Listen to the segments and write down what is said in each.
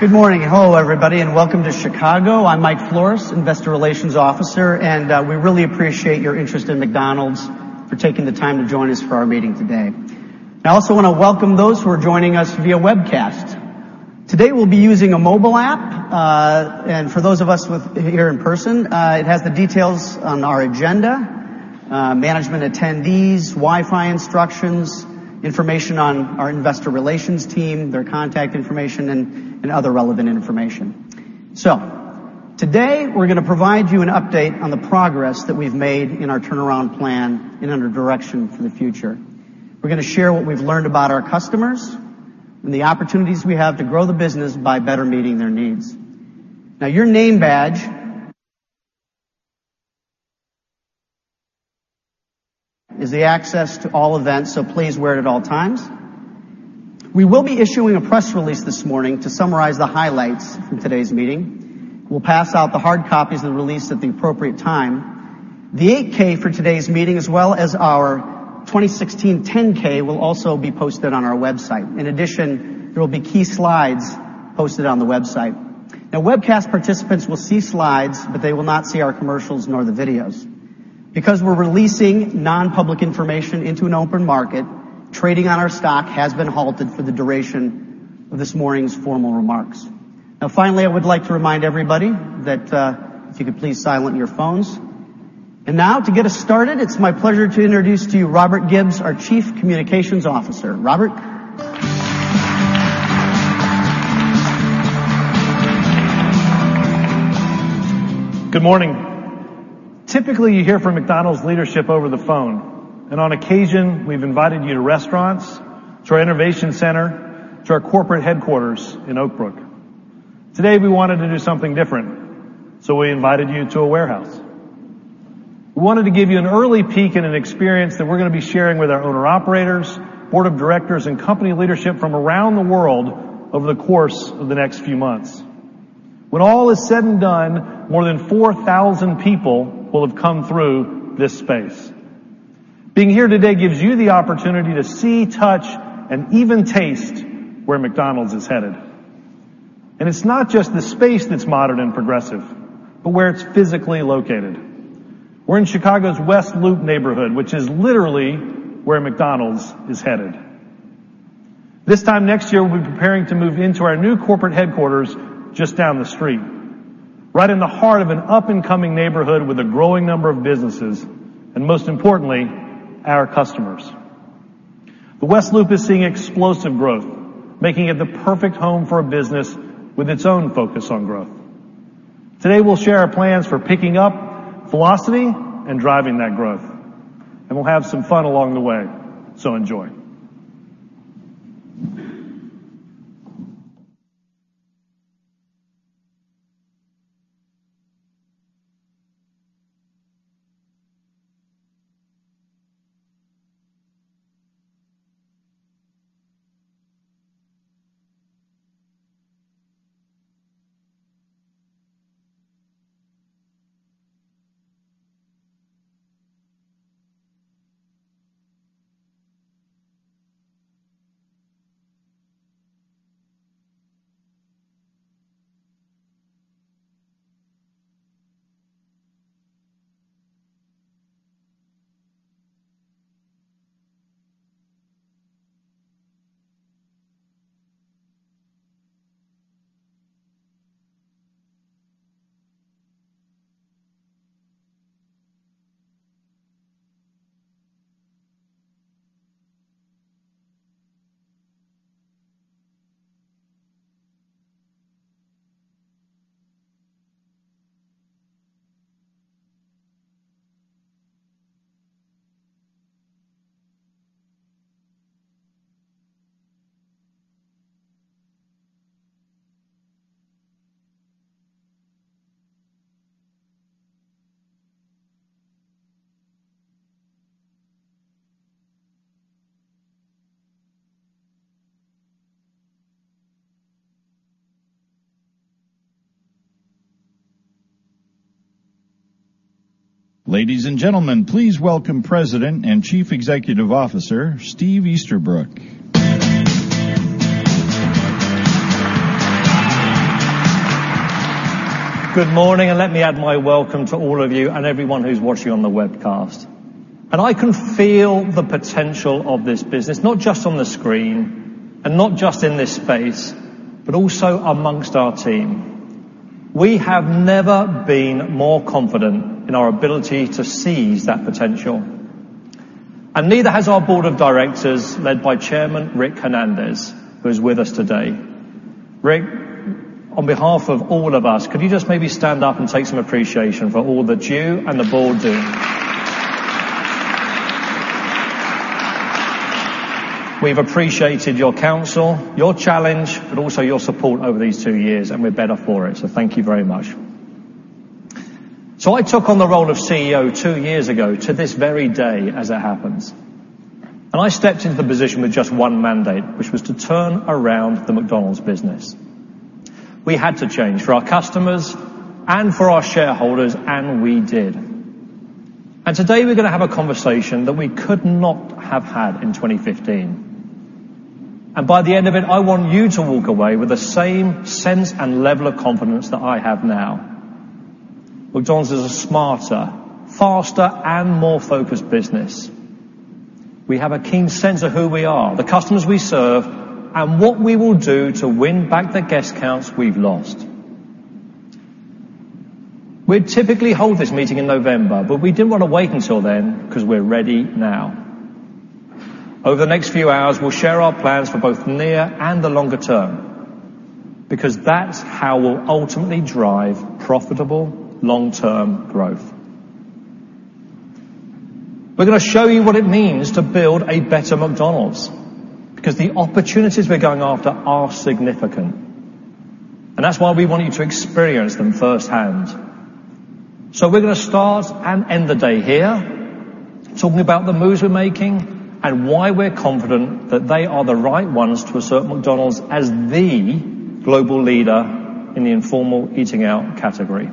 Good morning. Hello everybody, welcome to Chicago. I'm Mike Flores, investor relations officer. We really appreciate your interest in McDonald's, for taking the time to join us for our meeting today. I also want to welcome those who are joining us via webcast. Today, we'll be using a mobile app. For those of us here in person, it has the details on our agenda, management attendees, Wi-Fi instructions, information on our investor relations team, their contact information, and other relevant information. Today, we're going to provide you an update on the progress that we've made in our turnaround plan and under direction for the future. We're going to share what we've learned about our customers and the opportunities we have to grow the business by better meeting their needs. Your name badge is the access to all events, so please wear it at all times. We will be issuing a press release this morning to summarize the highlights from today's meeting. We'll pass out the hard copies of the release at the appropriate time. The 8-K for today's meeting, as well as our 2016 10-K, will also be posted on our website. In addition, there will be key slides posted on the website. Webcast participants will see slides, but they will not see our commercials nor the videos. Because we're releasing non-public information into an open market, trading on our stock has been halted for the duration of this morning's formal remarks. Finally, I would like to remind everybody that if you could please silent your phones. Now, to get us started, it's my pleasure to introduce to you Robert Gibbs, our Chief Communications Officer. Robert. Good morning. Typically, you hear from McDonald's leadership over the phone. On occasion, we've invited you to restaurants, to our innovation center, to our corporate headquarters in Oak Brook. Today, we wanted to do something different. We invited you to a warehouse. We wanted to give you an early peek and an experience that we're going to be sharing with our owner-operators, board of directors, and company leadership from around the world over the course of the next few months. When all is said and done, more than 4,000 people will have come through this space. Being here today gives you the opportunity to see, touch, and even taste where McDonald's is headed. It's not just the space that's modern and progressive, but where it's physically located. We're in Chicago's West Loop neighborhood, which is literally where McDonald's is headed. This time next year, we'll be preparing to move into our new corporate headquarters just down the street, right in the heart of an up-and-coming neighborhood with a growing number of businesses, and most importantly, our customers. The West Loop is seeing explosive growth, making it the perfect home for a business with its own focus on growth. Today, we'll share our plans for picking up velocity and driving that growth. We'll have some fun along the way. Enjoy. Ladies and gentlemen, please welcome President and Chief Executive Officer, Steve Easterbrook. Good morning. Let me add my welcome to all of you and everyone who's watching on the webcast. I can feel the potential of this business, not just on the screen and not just in this space, but also amongst our team. We have never been more confident in our ability to seize that potential, and neither has our board of directors, led by Chairman Rick Hernandez, who is with us today. Rick, on behalf of all of us, could you just maybe stand up and take some appreciation for all that you and the board do? We've appreciated your counsel, your challenge, but also your support over these two years, and we're better for it. Thank you very much. I took on the role of CEO two years ago to this very day, as it happens. I stepped into the position with just one mandate, which was to turn around the McDonald's business. We had to change for our customers and for our shareholders, and we did. Today we're going to have a conversation that we could not have had in 2015. By the end of it, I want you to walk away with the same sense and level of confidence that I have now. McDonald's is a smarter, faster, and more focused business. We have a keen sense of who we are, the customers we serve, and what we will do to win back the guest counts we've lost. We'd typically hold this meeting in November, but we didn't want to wait until then because we're ready now. Over the next few hours, we'll share our plans for both near and the longer term, because that's how we'll ultimately drive profitable long-term growth. We're going to show you what it means to build a better McDonald's, because the opportunities we're going after are significant. That's why we want you to experience them firsthand. We're going to start and end the day here talking about the moves we're making and why we're confident that they are the right ones to assert McDonald's as the global leader in the informal eating out category.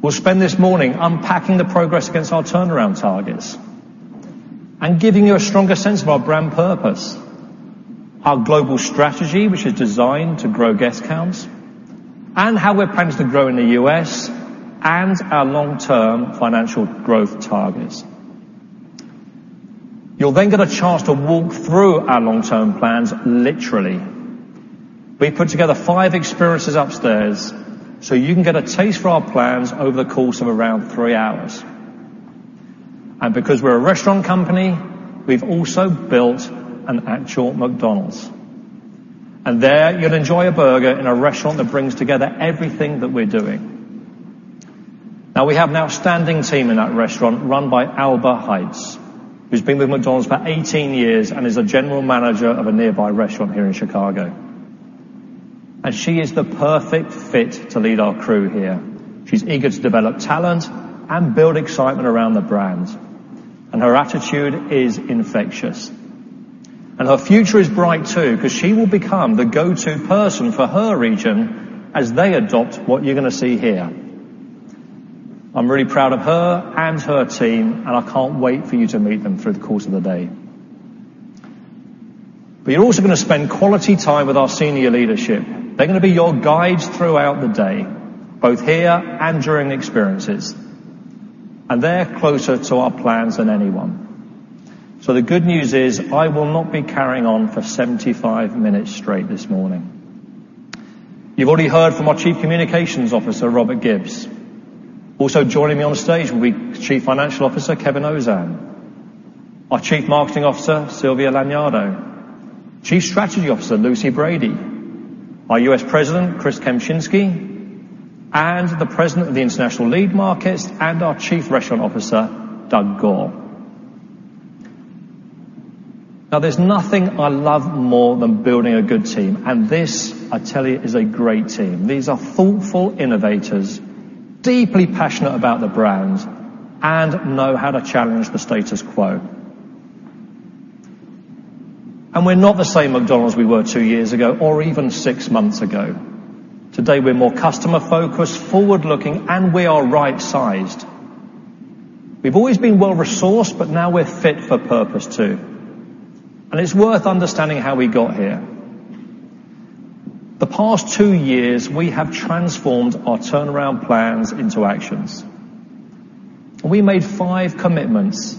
We'll spend this morning unpacking the progress against our turnaround targets and giving you a stronger sense of our brand purpose, our global strategy, which is designed to grow guest counts, and how we're planning to grow in the U.S., and our long-term financial growth targets. You'll then get a chance to walk through our long-term plans literally. We put together five experiences upstairs so you can get a taste for our plans over the course of around three hours. Because we're a restaurant company, we've also built an actual McDonald's. There you'll enjoy a burger in a restaurant that brings together everything that we're doing. We have an outstanding team in that restaurant run by Alba Heights, who's been with McDonald's for 18 years and is a general manager of a nearby restaurant here in Chicago. She is the perfect fit to lead our crew here. She's eager to develop talent and build excitement around the brand, and her attitude is infectious. Her future is bright too because she will become the go-to person for her region as they adopt what you're going to see here. I'm really proud of her and her team, and I can't wait for you to meet them through the course of the day. You're also going to spend quality time with our senior leadership. They're going to be your guides throughout the day, both here and during the experiences. They're closer to our plans than anyone. The good news is I will not be carrying on for 75 minutes straight this morning. You've already heard from our Chief Communications Officer, Robert Gibbs. Also joining me on stage will be Chief Financial Officer, Kevin Ozan; our Chief Marketing Officer, Silvia Lagnado; Chief Strategy Officer, Lucy Brady; our U.S. President, Chris Kempczinski; and the President of the International Lead Markets and our Chief Restaurant Officer, Doug Goare. There's nothing I love more than building a good team. This, I tell you, is a great team. These are thoughtful innovators, deeply passionate about the brand, and know how to challenge the status quo. We're not the same McDonald's we were two years ago or even six months ago. Today we're more customer focused, forward-looking, and we are right sized. We've always been well-resourced, but now we're fit for purpose too. It's worth understanding how we got here. The past two years we have transformed our turnaround plans into actions. We made five commitments,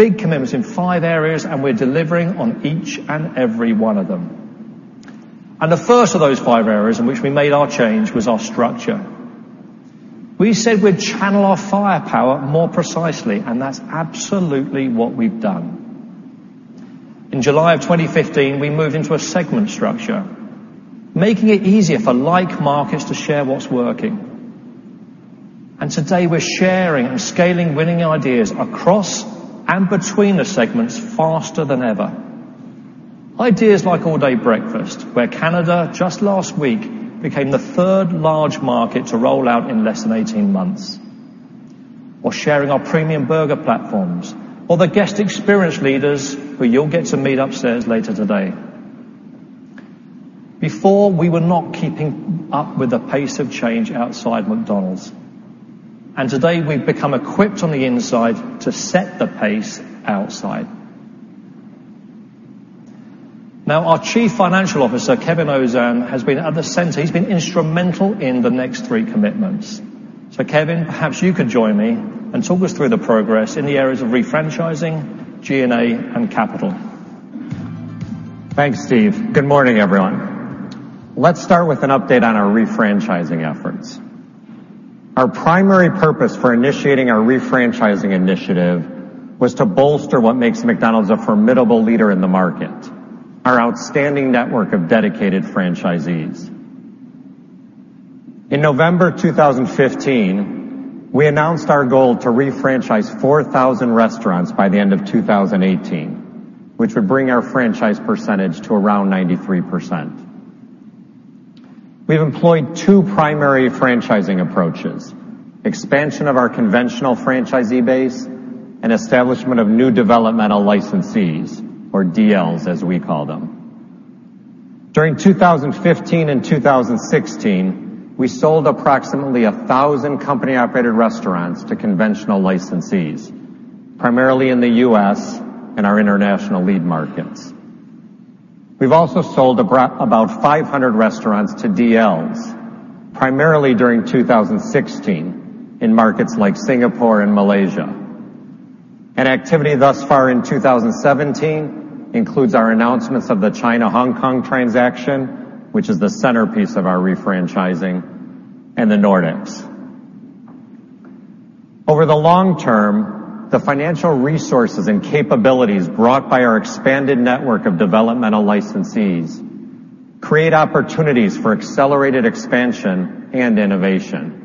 big commitments in five areas, and we're delivering on each and every one of them. The first of those five areas in which we made our change was our structure. We said we'd channel our firepower more precisely, and that's absolutely what we've done. In July of 2015, we moved into a segment structure, making it easier for like markets to share what's working. Today we're sharing and scaling winning ideas across and between the segments faster than ever. Ideas like all-day breakfast, where Canada just last week became the third large market to roll out in less than 18 months. Sharing our premium burger platforms, or the guest experience leaders who you'll get to meet upstairs later today. Before, we were not keeping up with the pace of change outside McDonald's. Today we've become equipped on the inside to set the pace outside. Our Chief Financial Officer, Kevin Ozan, has been instrumental in the next three commitments. Kevin, perhaps you could join me and talk us through the progress in the areas of refranchising, G&A, and capital. Thanks Steve. Good morning everyone. Let's start with an update on our refranchising efforts. Our primary purpose for initiating our refranchising initiative was to bolster what makes McDonald's a formidable leader in the market, our outstanding network of dedicated franchisees. In November 2015, we announced our goal to refranchise 4,000 restaurants by the end of 2018, which would bring our franchise percentage to around 93%. We've employed two primary franchising approaches, expansion of our conventional franchisee base and establishment of new developmental licensees or DLs, as we call them. During 2015 and 2016, we sold approximately 1,000 company-operated restaurants to conventional licensees, primarily in the U.S. and our international lead markets. We've also sold about 500 restaurants to DLs, primarily during 2016, in markets like Singapore and Malaysia. Activity thus far in 2017 includes our announcements of the China-Hong Kong transaction, which is the centerpiece of our refranchising, and the Nordics. Over the long term, the financial resources and capabilities brought by our expanded network of developmental licensees create opportunities for accelerated expansion and innovation.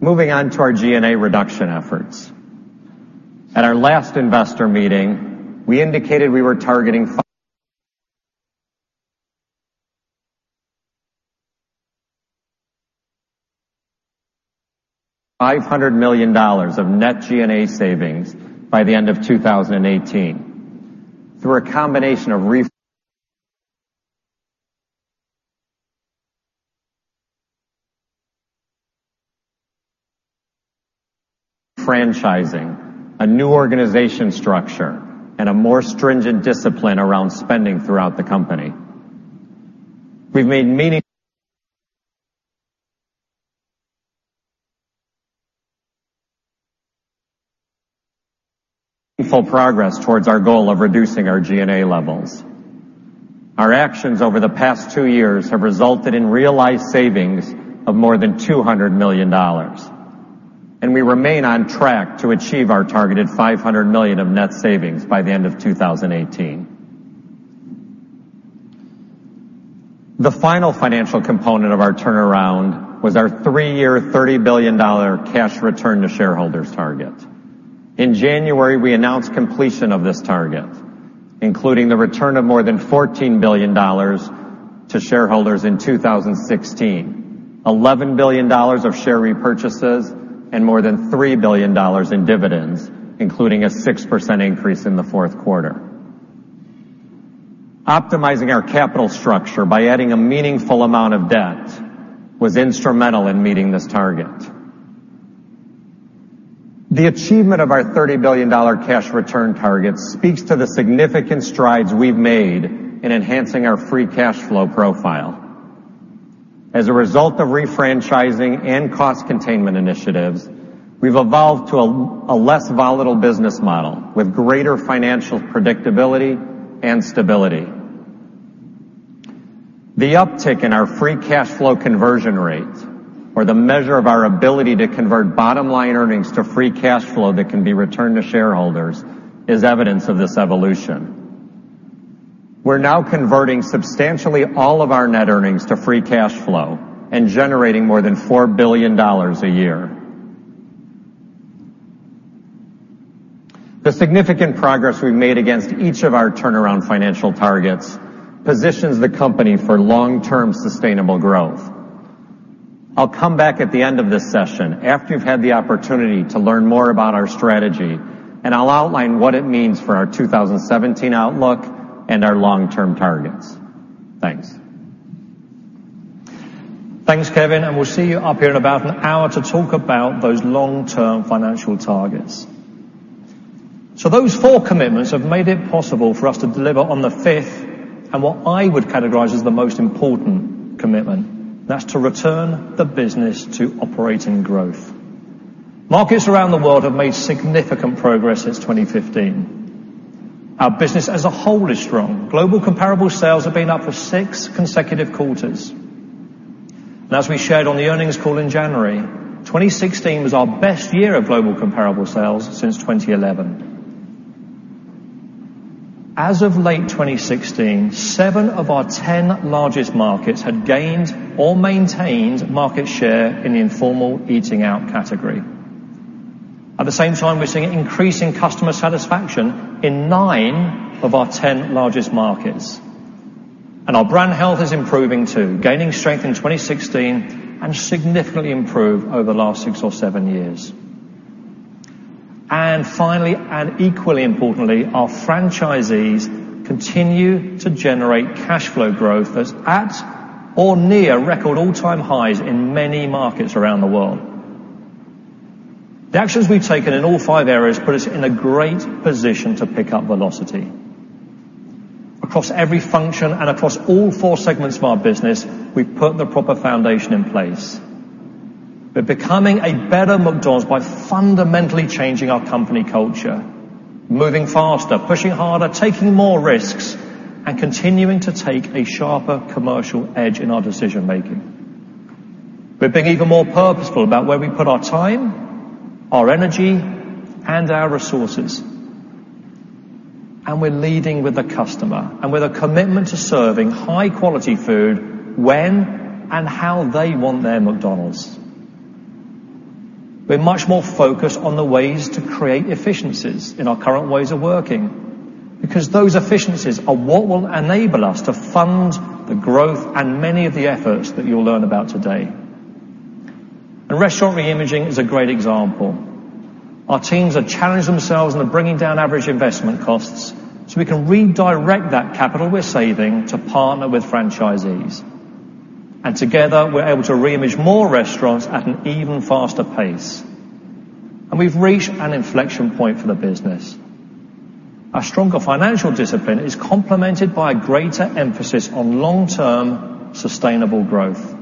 Moving on to our G&A reduction efforts. At our last investor meeting, we indicated we were targeting $500 million of net G&A savings by the end of 2018 through a combination of refranchising, a new organization structure, and a more stringent discipline around spending throughout the company. We've made meaningful progress towards our goal of reducing our G&A levels. Our actions over the past two years have resulted in realized savings of more than $200 million, and we remain on track to achieve our targeted $500 million of net savings by the end of 2018. The final financial component of our turnaround was our three-year $30 billion cash return to shareholders target. In January, we announced completion of this target, including the return of more than $14 billion to shareholders in 2016, $11 billion of share repurchases, and more than $3 billion in dividends, including a 6% increase in the fourth quarter. Optimizing our capital structure by adding a meaningful amount of debt was instrumental in meeting this target. The achievement of our $30 billion cash return target speaks to the significant strides we've made in enhancing our free cash flow profile. As a result of refranchising and cost containment initiatives, we've evolved to a less volatile business model with greater financial predictability and stability. The uptick in our free cash flow conversion rate, or the measure of our ability to convert bottom-line earnings to free cash flow that can be returned to shareholders, is evidence of this evolution. We're now converting substantially all of our net earnings to free cash flow and generating more than $4 billion a year. The significant progress we've made against each of our turnaround financial targets positions the company for long-term sustainable growth. I'll come back at the end of this session, after you've had the opportunity to learn more about our strategy, and I'll outline what it means for our 2017 outlook and our long-term targets. Thanks. Thanks, Kevin. We'll see you up here in about an hour to talk about those long-term financial targets. Those four commitments have made it possible for us to deliver on the fifth, and what I would categorize as the most important commitment. That's to return the business to operating growth. Markets around the world have made significant progress since 2015. Our business as a whole is strong. Global comparable sales have been up for six consecutive quarters. As we shared on the earnings call in January, 2016 was our best year of global comparable sales since 2011. As of late 2016, seven of our 10 largest markets had gained or maintained market share in the informal eating out category. At the same time, we're seeing increasing customer satisfaction in nine of our 10 largest markets. Our brand health is improving, too, gaining strength in 2016 and significantly improved over the last six or seven years. Finally, and equally importantly, our franchisees continue to generate cash flow growth that's at or near record all-time highs in many markets around the world. The actions we've taken in all five areas put us in a great position to pick up velocity. Across every function and across all four segments of our business, we've put the proper foundation in place. We're becoming a better McDonald's by fundamentally changing our company culture, moving faster, pushing harder, taking more risks, and continuing to take a sharper commercial edge in our decision making. We're being even more purposeful about where we put our time, our energy, and our resources. We're leading with the customer and with a commitment to serving high-quality food when and how they want their McDonald's. We're much more focused on the ways to create efficiencies in our current ways of working, because those efficiencies are what will enable us to fund the growth and many of the efforts that you'll learn about today. Restaurant reimaging is a great example. Our teams are challenging themselves and are bringing down average investment costs so we can redirect that capital we're saving to partner with franchisees. Together, we're able to reimage more restaurants at an even faster pace. We've reached an inflection point for the business. Our stronger financial discipline is complemented by a greater emphasis on long-term sustainable growth,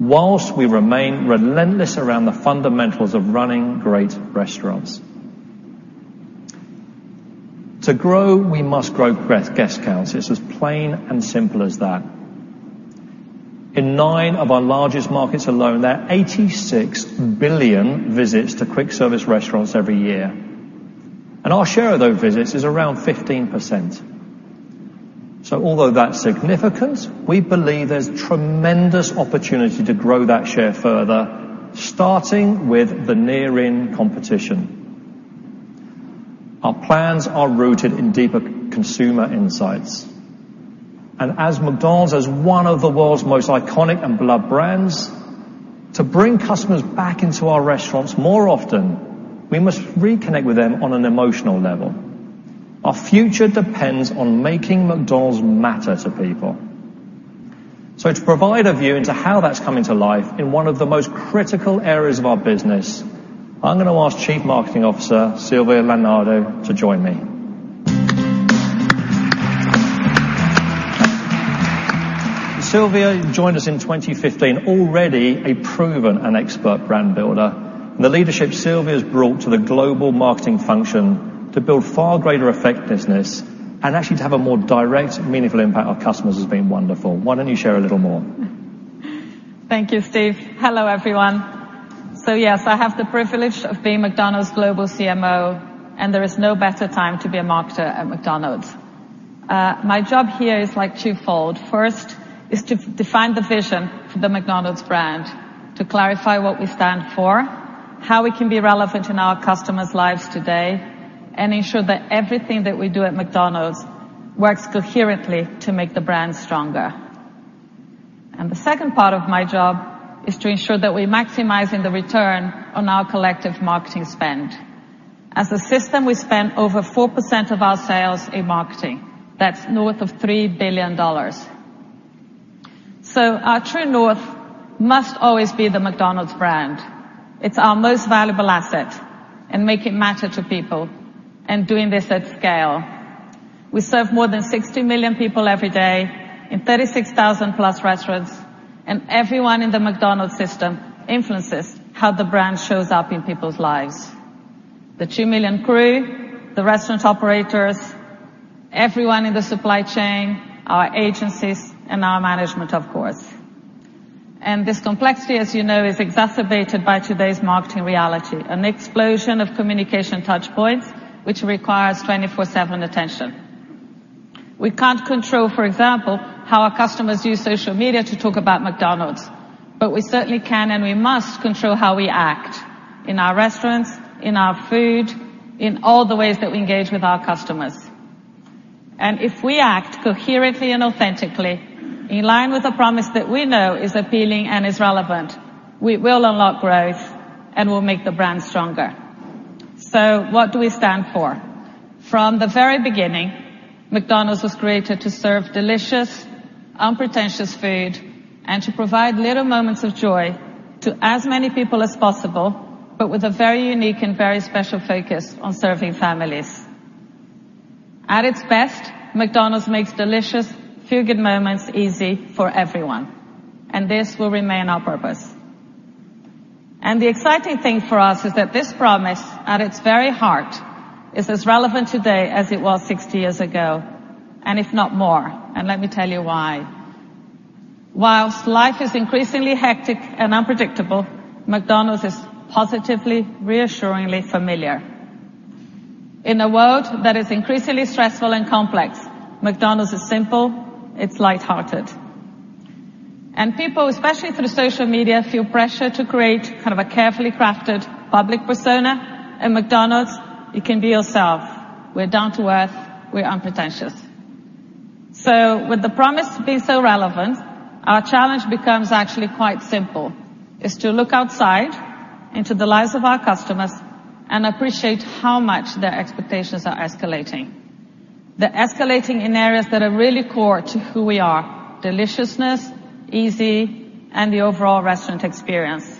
whilst we remain relentless around the fundamentals of running great restaurants. To grow, we must grow guest counts. It's as plain and simple as that. In nine of our largest markets alone, there are 86 billion visits to quick service restaurants every year, and our share of those visits is around 15%. Although that's significant, we believe there's tremendous opportunity to grow that share further, starting with the near-in competition. Our plans are rooted in deeper consumer insights. As McDonald's, as one of the world's most iconic and beloved brands, to bring customers back into our restaurants more often, we must reconnect with them on an emotional level. Our future depends on making McDonald's matter to people. To provide a view into how that's coming to life in one of the most critical areas of our business, I'm going to ask Chief Marketing Officer, Silvia Lagnado, to join me. Silvia joined us in 2015, already a proven and expert brand builder. The leadership Silvia has brought to the global marketing function to build far greater effectiveness and actually to have a more direct, meaningful impact on customers has been wonderful. Why don't you share a little more? Thank you, Steve. Hello, everyone. Yes, I have the privilege of being McDonald's Global CMO, and there is no better time to be a marketer at McDonald's. My job here is twofold. First is to define the vision for the McDonald's brand, to clarify what we stand for, how we can be relevant in our customers' lives today, and ensure that everything that we do at McDonald's works coherently to make the brand stronger. The second part of my job is to ensure that we're maximizing the return on our collective marketing spend. As a system, we spend over 4% of our sales in marketing. That's north of $3 billion. Our true north must always be the McDonald's brand. It's our most valuable asset, and make it matter to people, and doing this at scale. We serve more than 60 million people every day in 36,000-plus restaurants, everyone in the McDonald's system influences how the brand shows up in people's lives. The two million crew, the restaurant operators, everyone in the supply chain, our agencies, and our management, of course. This complexity, as you know, is exacerbated by today's marketing reality, an explosion of communication touchpoints, which requires 24/7 attention. We can't control, for example, how our customers use social media to talk about McDonald's, but we certainly can and we must control how we act in our restaurants, in our food, in all the ways that we engage with our customers. If we act coherently and authentically, in line with a promise that we know is appealing and is relevant, we will unlock growth and will make the brand stronger. What do we stand for? From the very beginning, McDonald's was created to serve delicious, unpretentious food and to provide little moments of joy to as many people as possible, but with a very unique and very special focus on serving families. At its best, McDonald's makes delicious, feel-good moments easy for everyone, this will remain our purpose. The exciting thing for us is that this promise, at its very heart, is as relevant today as it was 60 years ago, if not more. Let me tell you why. Whilst life is increasingly hectic and unpredictable, McDonald's is positively reassuringly familiar. In a world that is increasingly stressful and complex, McDonald's is simple, it's light-hearted. People, especially through social media, feel pressure to create a carefully crafted public persona. At McDonald's, you can be yourself. We're down to earth. We're unpretentious. With the promise being so relevant, our challenge becomes actually quite simple. It's to look outside into the lives of our customers and appreciate how much their expectations are escalating. They're escalating in areas that are really core to who we are, deliciousness, easy, and the overall restaurant experience.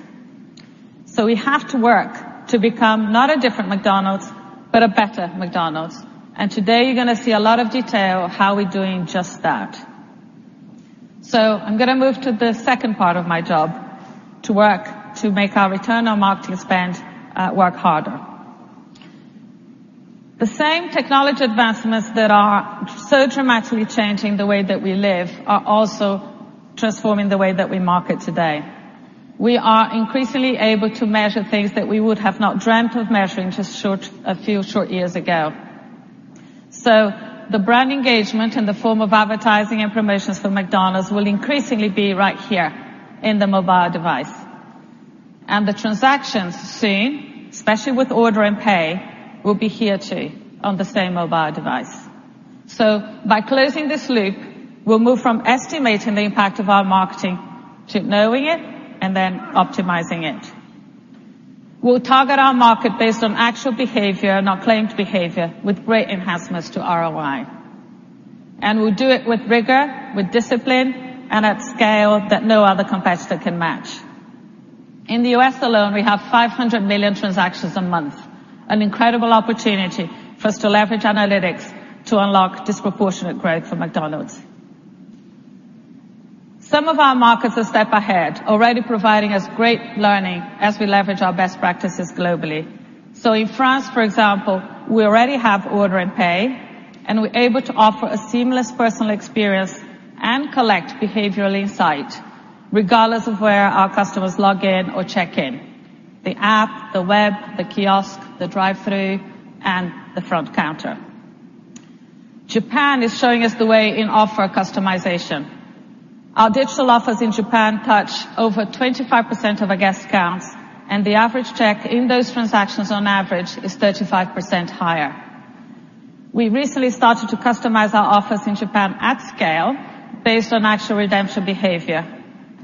We have to work to become not a different McDonald's, but a better McDonald's. Today you're going to see a lot of detail of how we're doing just that. I'm going to move to the second part of my job, to work to make our return on marketing spend work harder. The same technology advancements that are so dramatically changing the way that we live are also transforming the way that we market today. We are increasingly able to measure things that we would have not dreamt of measuring just a few short years ago. The brand engagement in the form of advertising and promotions for McDonald's will increasingly be right here in the mobile device. The transactions soon, especially with order and pay, will be here, too, on the same mobile device. By closing this loop, we'll move from estimating the impact of our marketing to knowing it and then optimizing it. We'll target our market based on actual behavior, not claimed behavior, with great enhancements to ROI. We'll do it with rigor, with discipline, and at scale that no other competitor can match. In the U.S. alone, we have 500 million transactions a month, an incredible opportunity for us to leverage analytics to unlock disproportionate growth for McDonald's. Some of our markets are a step ahead, already providing us great learning as we leverage our best practices globally. In France, for example, we already have order and pay, and we're able to offer a seamless personal experience and collect behavioral insight regardless of where our customers log in or check in: the app, the web, the kiosk, the drive-thru, and the front counter. Japan is showing us the way in offer customization. Our digital offers in Japan touch over 25% of our guest counts, and the average check in those transactions on average is 35% higher. We recently started to customize our offers in Japan at scale based on actual redemption behavior,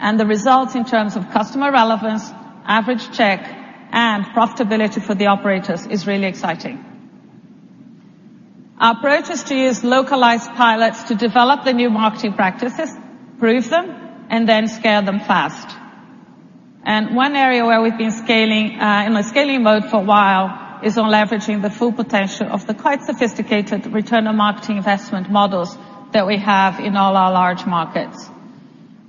and the results in terms of customer relevance, average check, and profitability for the operators is really exciting. Our approach is to use localized pilots to develop the new marketing practices, prove them, and then scale them fast. One area where we've been in a scaling mode for a while is on leveraging the full potential of the quite sophisticated return on marketing investment models that we have in all our large markets.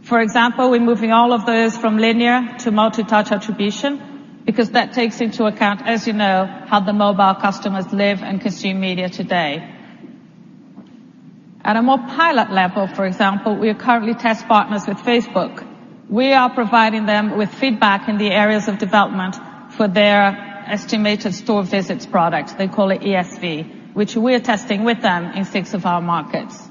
For example, we're moving all of those from linear to multi-touch attribution because that takes into account, as you know, how the mobile customers live and consume media today. At a more pilot level, for example, we are currently test partners with Facebook. We are providing them with feedback in the areas of development for their Estimated Store Visits product. They call it ESV, which we're testing with them in six of our markets.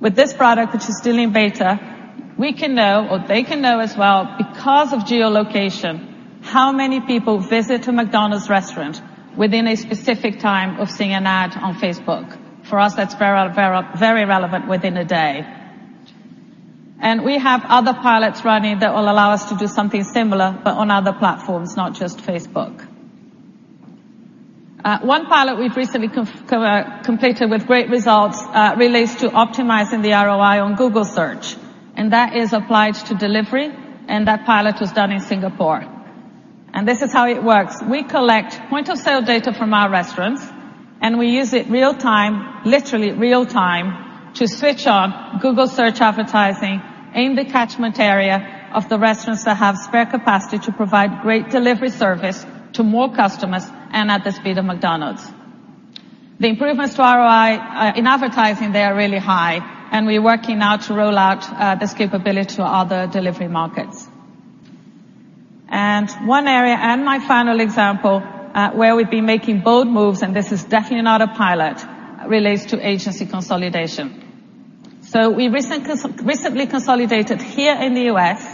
With this product, which is still in beta, we can know, or they can know as well, because of geolocation, how many people visit a McDonald's restaurant within a specific time of seeing an ad on Facebook. For us, that's very relevant within a day. We have other pilots running that will allow us to do something similar, but on other platforms, not just Facebook. One pilot we've recently completed with great results relates to optimizing the ROI on Google Search, and that is applied to delivery, and that pilot was done in Singapore. This is how it works. We collect point-of-sale data from our restaurants, and we use it real-time, literally real-time, to switch on Google Search advertising in the catchment area of the restaurants that have spare capacity to provide great delivery service to more customers and at the speed of McDonald's. The improvements to ROI in advertising there are really high, and we're working now to roll out this capability to other delivery markets. One area, my final example, where we've been making bold moves, and this is definitely not a pilot, relates to agency consolidation. We recently consolidated here in the U.S.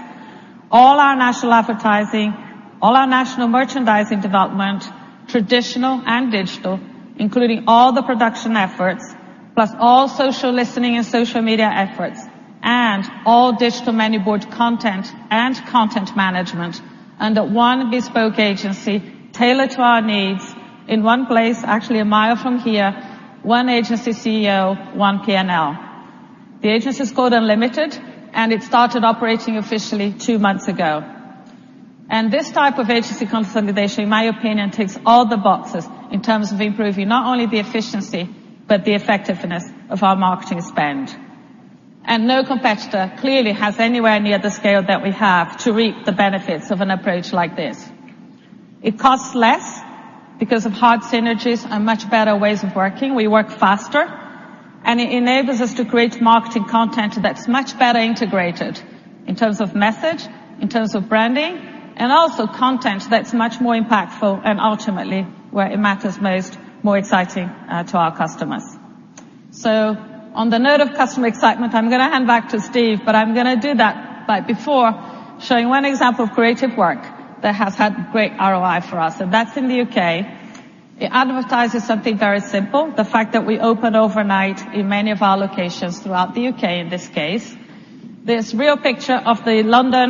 all our national advertising, all our national merchandising development, traditional and digital, including all the production efforts, plus all social listening and social media efforts, and all digital menu board content and content management under one bespoke agency tailored to our needs in one place, actually a mile from here, one agency CEO, one P&L. The agency is called Unlimited, and it started operating officially two months ago. This type of agency consolidation, in my opinion, ticks all the boxes in terms of improving not only the efficiency, but the effectiveness of our marketing spend. No competitor clearly has anywhere near the scale that we have to reap the benefits of an approach like this. It costs less because of hard synergies and much better ways of working. We work faster, and it enables us to create marketing content that's much better integrated in terms of message, in terms of branding, and also content that's much more impactful and ultimately, where it matters most, more exciting to our customers. On the note of customer excitement, I'm going to hand back to Steve, but I'm going to do that by before showing one example of creative work that has had great ROI for us. That's in the U.K. It advertises something very simple, the fact that we open overnight in many of our locations throughout the U.K., in this case. This real picture of the London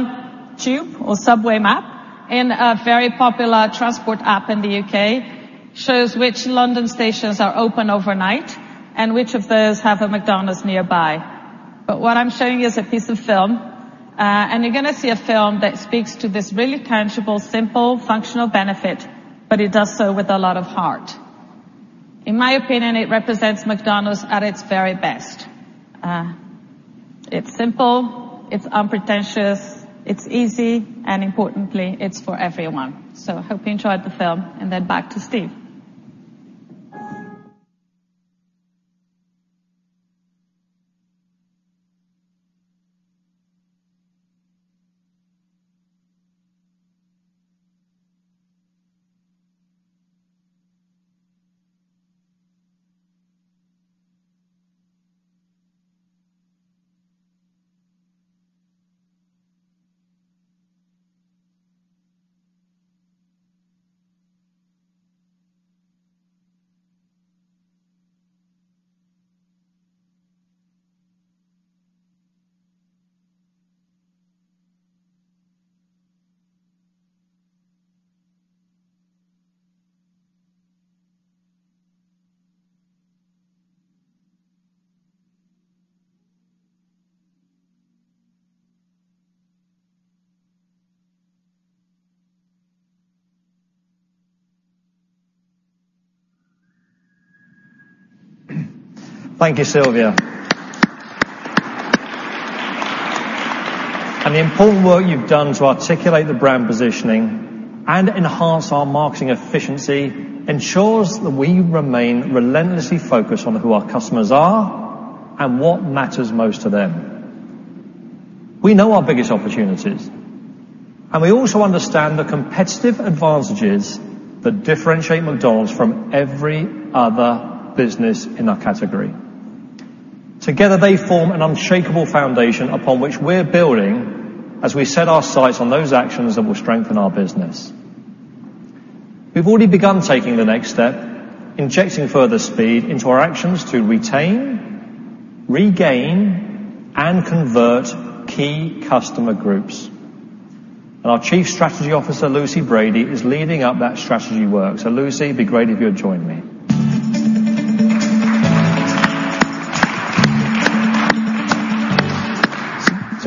Tube or subway map in a very popular transport app in the U.K. shows which London stations are open overnight and which of those have a McDonald's nearby. What I'm showing you is a piece of film, and you're going to see a film that speaks to this really tangible, simple, functional benefit, but it does so with a lot of heart. In my opinion, it represents McDonald's at its very best. It's simple, it's unpretentious, it's easy, and importantly, it's for everyone. I hope you enjoyed the film, and then back to Steve. Thank you, Silvia. The important work you've done to articulate the brand positioning and enhance our marketing efficiency ensures that we remain relentlessly focused on who our customers are and what matters most to them. We know our biggest opportunities, and we also understand the competitive advantages that differentiate McDonald's from every other business in our category. Together, they form an unshakable foundation upon which we're building as we set our sights on those actions that will strengthen our business. We've already begun taking the next step, injecting further speed into our actions to retain, regain, and convert key customer groups. Our Chief Strategy Officer, Lucy Brady, is leading up that strategy work. Lucy, it'd be great if you would join me.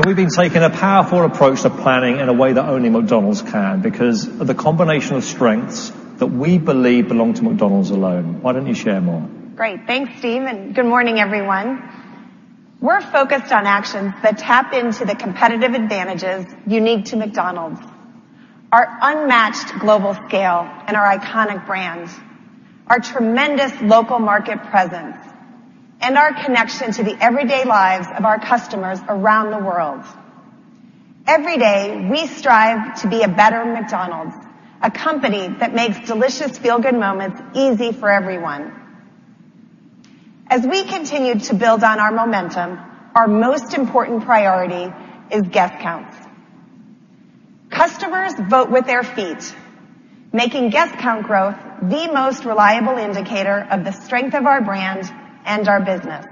We've been taking a powerful approach to planning in a way that only McDonald's can because of the combination of strengths that we believe belong to McDonald's alone. Why don't you share more? Great. Thanks, Steve, and good morning, everyone. We're focused on actions that tap into the competitive advantages unique to McDonald's. Our unmatched global scale and our iconic brand, our tremendous local market presence, and our connection to the everyday lives of our customers around the world. Every day, we strive to be a better McDonald's, a company that makes delicious feel-good moments easy for everyone. As we continue to build on our momentum, our most important priority is guest counts. Customers vote with their feet, making guest count growth the most reliable indicator of the strength of our brand and our business.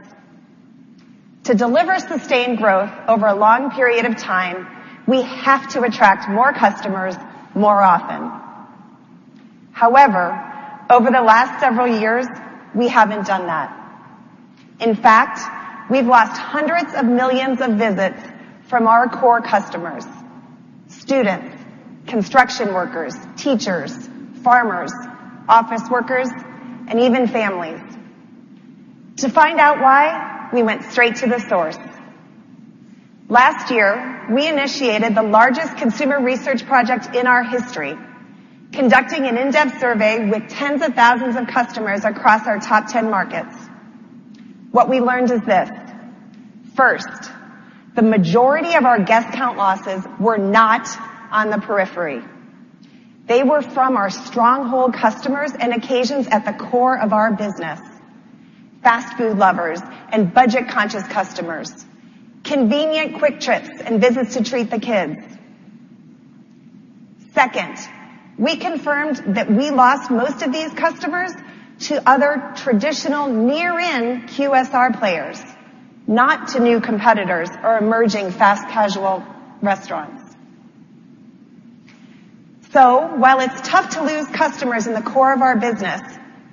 To deliver sustained growth over a long period of time, we have to attract more customers more often. However, over the last several years, we haven't done that. In fact, we've lost hundreds of millions of visits from our core customers, students, construction workers, teachers, farmers, office workers, and even families. To find out why, we went straight to the source. Last year, we initiated the largest consumer research project in our history, conducting an in-depth survey with tens of thousands of customers across our top 10 markets. What we learned is this. First, the majority of our guest count losses were not on the periphery. They were from our stronghold customers and occasions at the core of our business. Fast food lovers and budget-conscious customers, convenient quick trips and visits to treat the kids. Second, we confirmed that we lost most of these customers to other traditional near-in QSR players, not to new competitors or emerging fast casual restaurants. While it's tough to lose customers in the core of our business,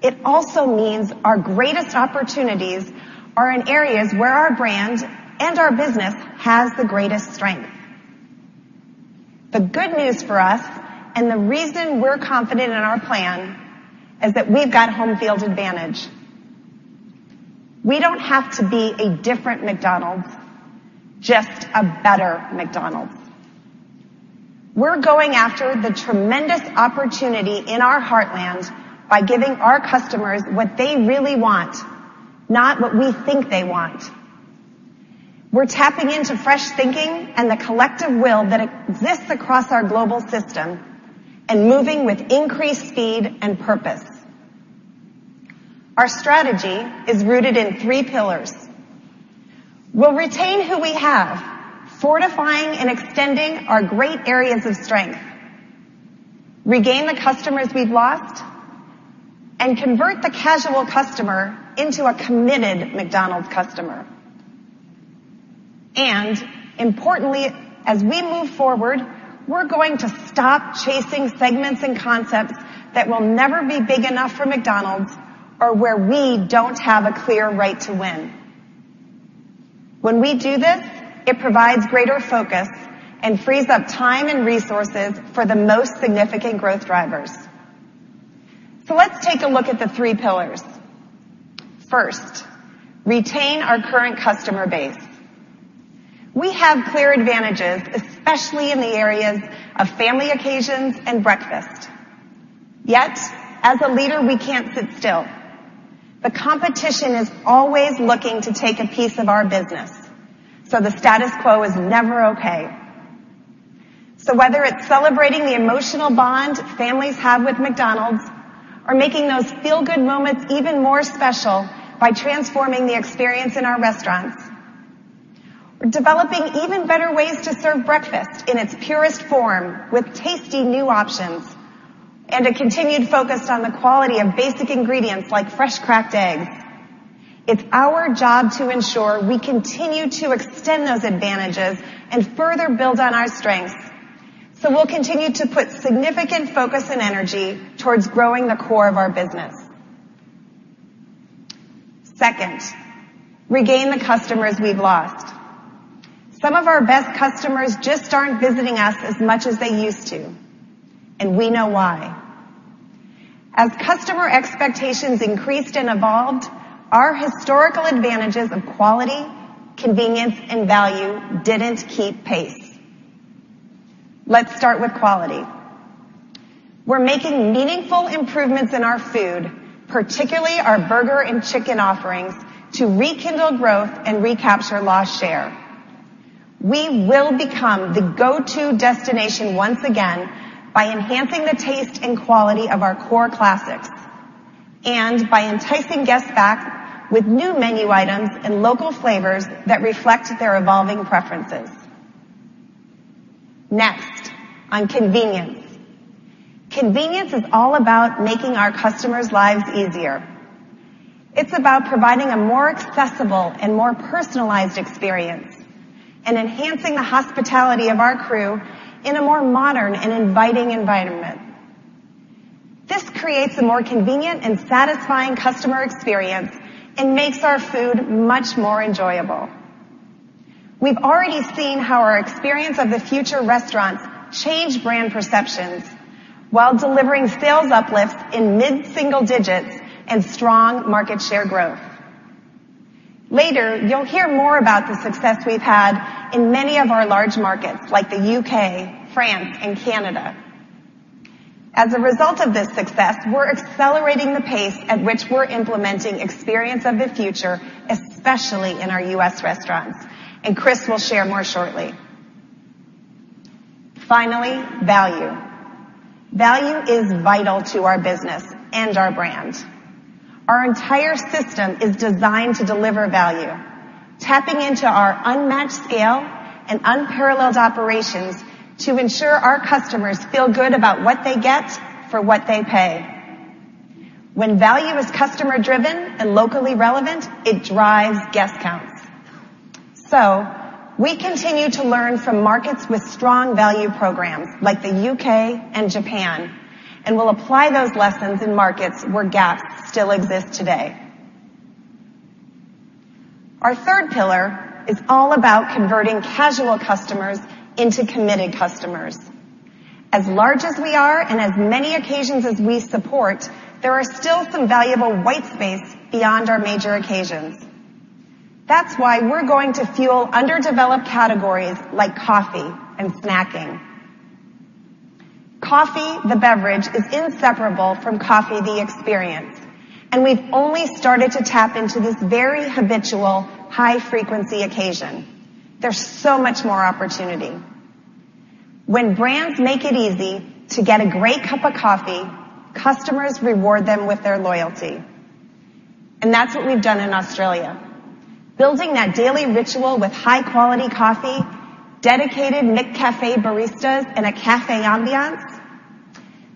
it also means our greatest opportunities are in areas where our brand and our business has the greatest strength. The good news for us, and the reason we're confident in our plan, is that we've got home-field advantage. We don't have to be a different McDonald's, just a better McDonald's. We're going after the tremendous opportunity in our heartland by giving our customers what they really want, not what we think they want. We're tapping into fresh thinking and the collective will that exists across our global system and moving with increased speed and purpose. Our strategy is rooted in three pillars. We'll retain who we have, fortifying and extending our great areas of strength, regain the customers we've lost, and convert the casual customer into a committed McDonald's customer. Importantly, as we move forward, we're going to stop chasing segments and concepts that will never be big enough for McDonald's or where we don't have a clear right to win. When we do this, it provides greater focus and frees up time and resources for the most significant growth drivers. Let's take a look at the three pillars. First, retain our current customer base. We have clear advantages, especially in the areas of family occasions and breakfast. Yet, as a leader, we can't sit still. The competition is always looking to take a piece of our business, so the status quo is never okay. Whether it's celebrating the emotional bond families have with McDonald's or making those feel-good moments even more special by transforming the experience in our restaurants. We're developing even better ways to serve breakfast in its purest form with tasty new options and a continued focus on the quality of basic ingredients like fresh cracked eggs. It's our job to ensure we continue to extend those advantages and further build on our strengths. We'll continue to put significant focus and energy towards growing the core of our business. Second, regain the customers we've lost. Some of our best customers just aren't visiting us as much as they used to, and we know why. As customer expectations increased and evolved, our historical advantages of quality, convenience, and value didn't keep pace. Let's start with quality. We're making meaningful improvements in our food, particularly our burger and chicken offerings, to rekindle growth and recapture lost share. We will become the go-to destination once again by enhancing the taste and quality of our core classics and by enticing guests back with new menu items and local flavors that reflect their evolving preferences. Next, on convenience. Convenience is all about making our customers' lives easier. It's about providing a more accessible and more personalized experience and enhancing the hospitality of our crew in a more modern and inviting environment. This creates a more convenient and satisfying customer experience and makes our food much more enjoyable. We've already seen how our Experience of the Future restaurants change brand perceptions while delivering sales uplifts in mid-single digits and strong market share growth. Later, you'll hear more about the success we've had in many of our large markets, like the U.K., France, and Canada. As a result of this success, we're accelerating the pace at which we're implementing Experience of the Future, especially in our U.S. restaurants, and Chris will share more shortly. Finally, value. Value is vital to our business and our brand. Our entire system is designed to deliver value, tapping into our unmatched scale and unparalleled operations to ensure our customers feel good about what they get for what they pay. When value is customer-driven and locally relevant, it drives guest counts. We continue to learn from markets with strong value programs, like the U.K. and Japan, and we'll apply those lessons in markets where gaps still exist today. Our third pillar is all about converting casual customers into committed customers. As large as we are and as many occasions as we support, there are still some valuable white space beyond our major occasions. That's why we're going to fuel underdeveloped categories like coffee and snacking. Coffee, the beverage, is inseparable from coffee, the experience, and we've only started to tap into this very habitual high-frequency occasion. There's so much more opportunity. When brands make it easy to get a great cup of coffee, customers reward them with their loyalty. That's what we've done in Australia. Building that daily ritual with high-quality coffee, dedicated McCafé baristas in a café ambiance.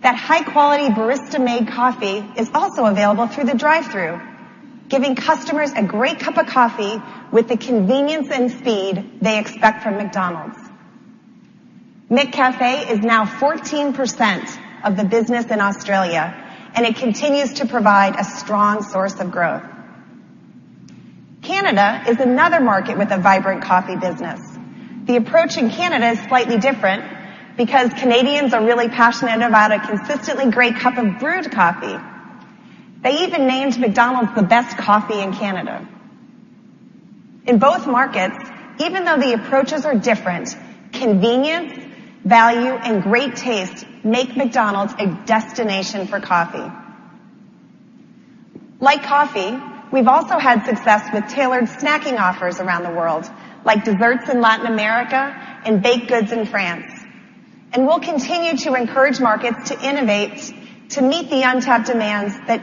That high-quality barista-made coffee is also available through the drive-thru, giving customers a great cup of coffee with the convenience and speed they expect from McDonald's. McCafé is now 14% of the business in Australia, and it continues to provide a strong source of growth. Canada is another market with a vibrant coffee business. The approach in Canada is slightly different because Canadians are really passionate about a consistently great cup of brewed coffee. They even named McDonald's the best coffee in Canada. In both markets, even though the approaches are different, convenience, value, and great taste make McDonald's a destination for coffee. Like coffee, we've also had success with tailored snacking offers around the world, like desserts in Latin America and baked goods in France. We'll continue to encourage markets to innovate to meet the untapped demands that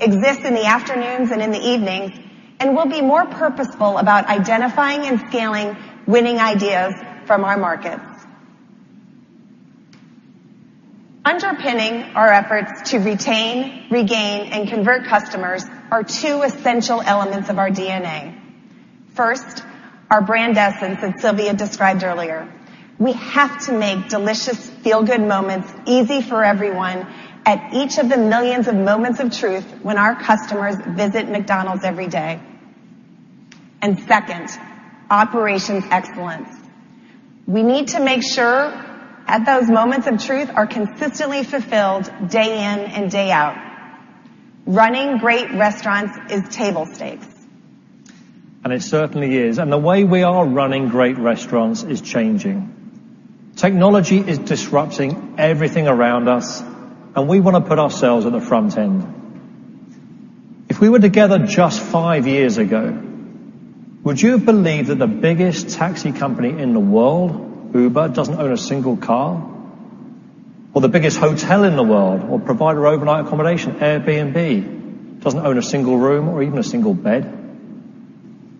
exist in the afternoons and in the evenings, and we'll be more purposeful about identifying and scaling winning ideas from our markets. Underpinning our efforts to retain, regain, and convert customers are two essential elements of our DNA. First, our brand essence that Silvia described earlier. We have to make delicious, feel-good moments easy for everyone at each of the millions of moments of truth when our customers visit McDonald's every day. Second, operations excellence. We need to make sure that those moments of truth are consistently fulfilled day in and day out. Running great restaurants is table stakes. It certainly is. The way we are running great restaurants is changing. Technology is disrupting everything around us, and we want to put ourselves at the front end. If we were together just five years ago, would you have believed that the biggest taxi company in the world, Uber, doesn't own a single car? The biggest hotel in the world or provider of overnight accommodation, Airbnb, doesn't own a single room or even a single bed.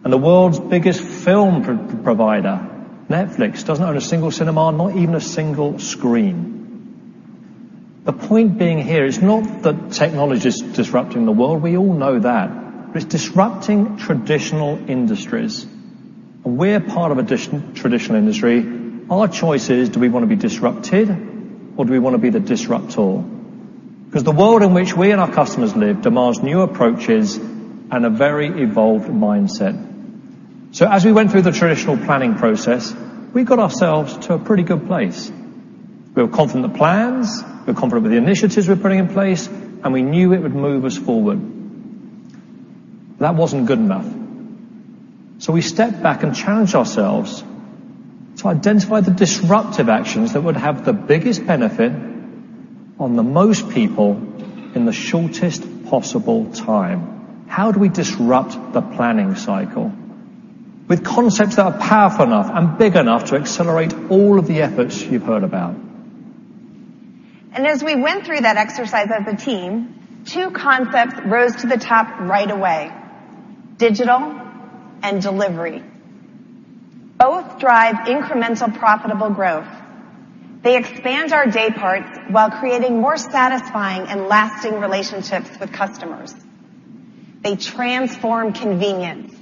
The world's biggest film provider, Netflix, doesn't own a single cinema, not even a single screen. The point being here is not that technology is disrupting the world. We all know that. It's disrupting traditional industries. We're part of a traditional industry. Our choice is, do we want to be disrupted or do we want to be the disruptor? The world in which we and our customers live demands new approaches and a very evolved mindset. As we went through the traditional planning process, we got ourselves to a pretty good place. We were confident in the plans, we were confident with the initiatives we were putting in place, and we knew it would move us forward. That wasn't good enough. We stepped back and challenged ourselves to identify the disruptive actions that would have the biggest benefit on the most people in the shortest possible time. How do we disrupt the planning cycle with concepts that are powerful enough and big enough to accelerate all of the efforts you've heard about? As we went through that exercise as a team, two concepts rose to the top right away: digital and delivery. Both drive incremental profitable growth. They expand our day parts while creating more satisfying and lasting relationships with customers. They transform convenience,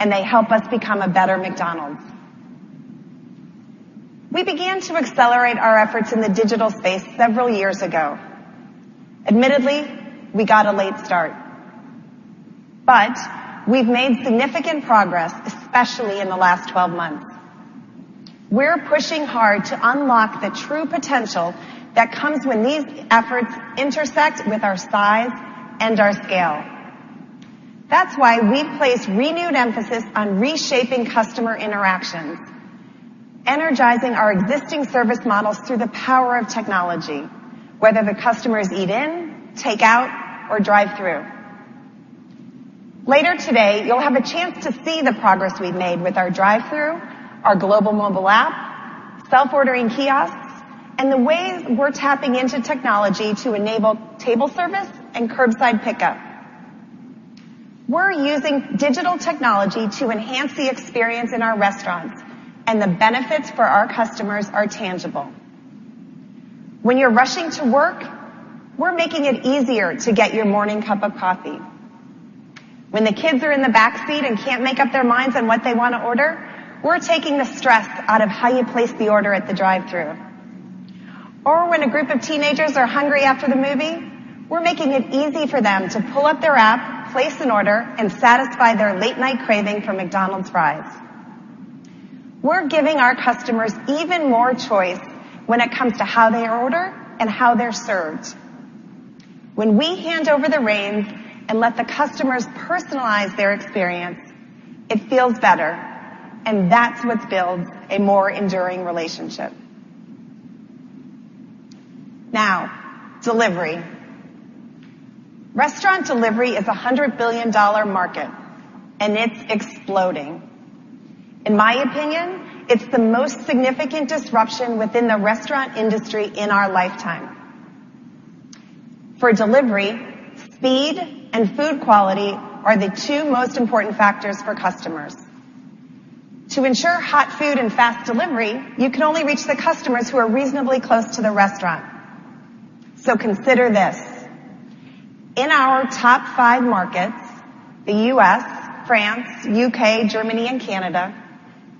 and they help us become a better McDonald's. We began to accelerate our efforts in the digital space several years ago. Admittedly, we got a late start, but we've made significant progress, especially in the last 12 months. We're pushing hard to unlock the true potential that comes when these efforts intersect with our size and our scale. That's why we've placed renewed emphasis on reshaping customer interactions, energizing our existing service models through the power of technology, whether the customers eat in, take out, or drive through. Later today, you'll have a chance to see the progress we've made with our drive-thru, our global mobile app, self-ordering kiosks, and the ways we're tapping into technology to enable table service and curbside pickup. We're using digital technology to enhance the experience in our restaurants, and the benefits for our customers are tangible. When you're rushing to work, we're making it easier to get your morning cup of coffee. When the kids are in the back seat and can't make up their minds on what they want to order, we're taking the stress out of how you place the order at the drive-thru. When a group of teenagers are hungry after the movie, we're making it easy for them to pull up their app, place an order, and satisfy their late-night craving for McDonald's fries. We're giving our customers even more choice when it comes to how they order and how they're served. When we hand over the reins and let the customers personalize their experience, it feels better, and that's what builds a more enduring relationship. Delivery. Restaurant delivery is a $100 billion market, and it's exploding. In my opinion, it's the most significant disruption within the restaurant industry in our lifetime. For delivery, speed and food quality are the two most important factors for customers. To ensure hot food and fast delivery, you can only reach the customers who are reasonably close to the restaurant. Consider this. In our top five markets, the U.S., France, U.K., Germany, and Canada,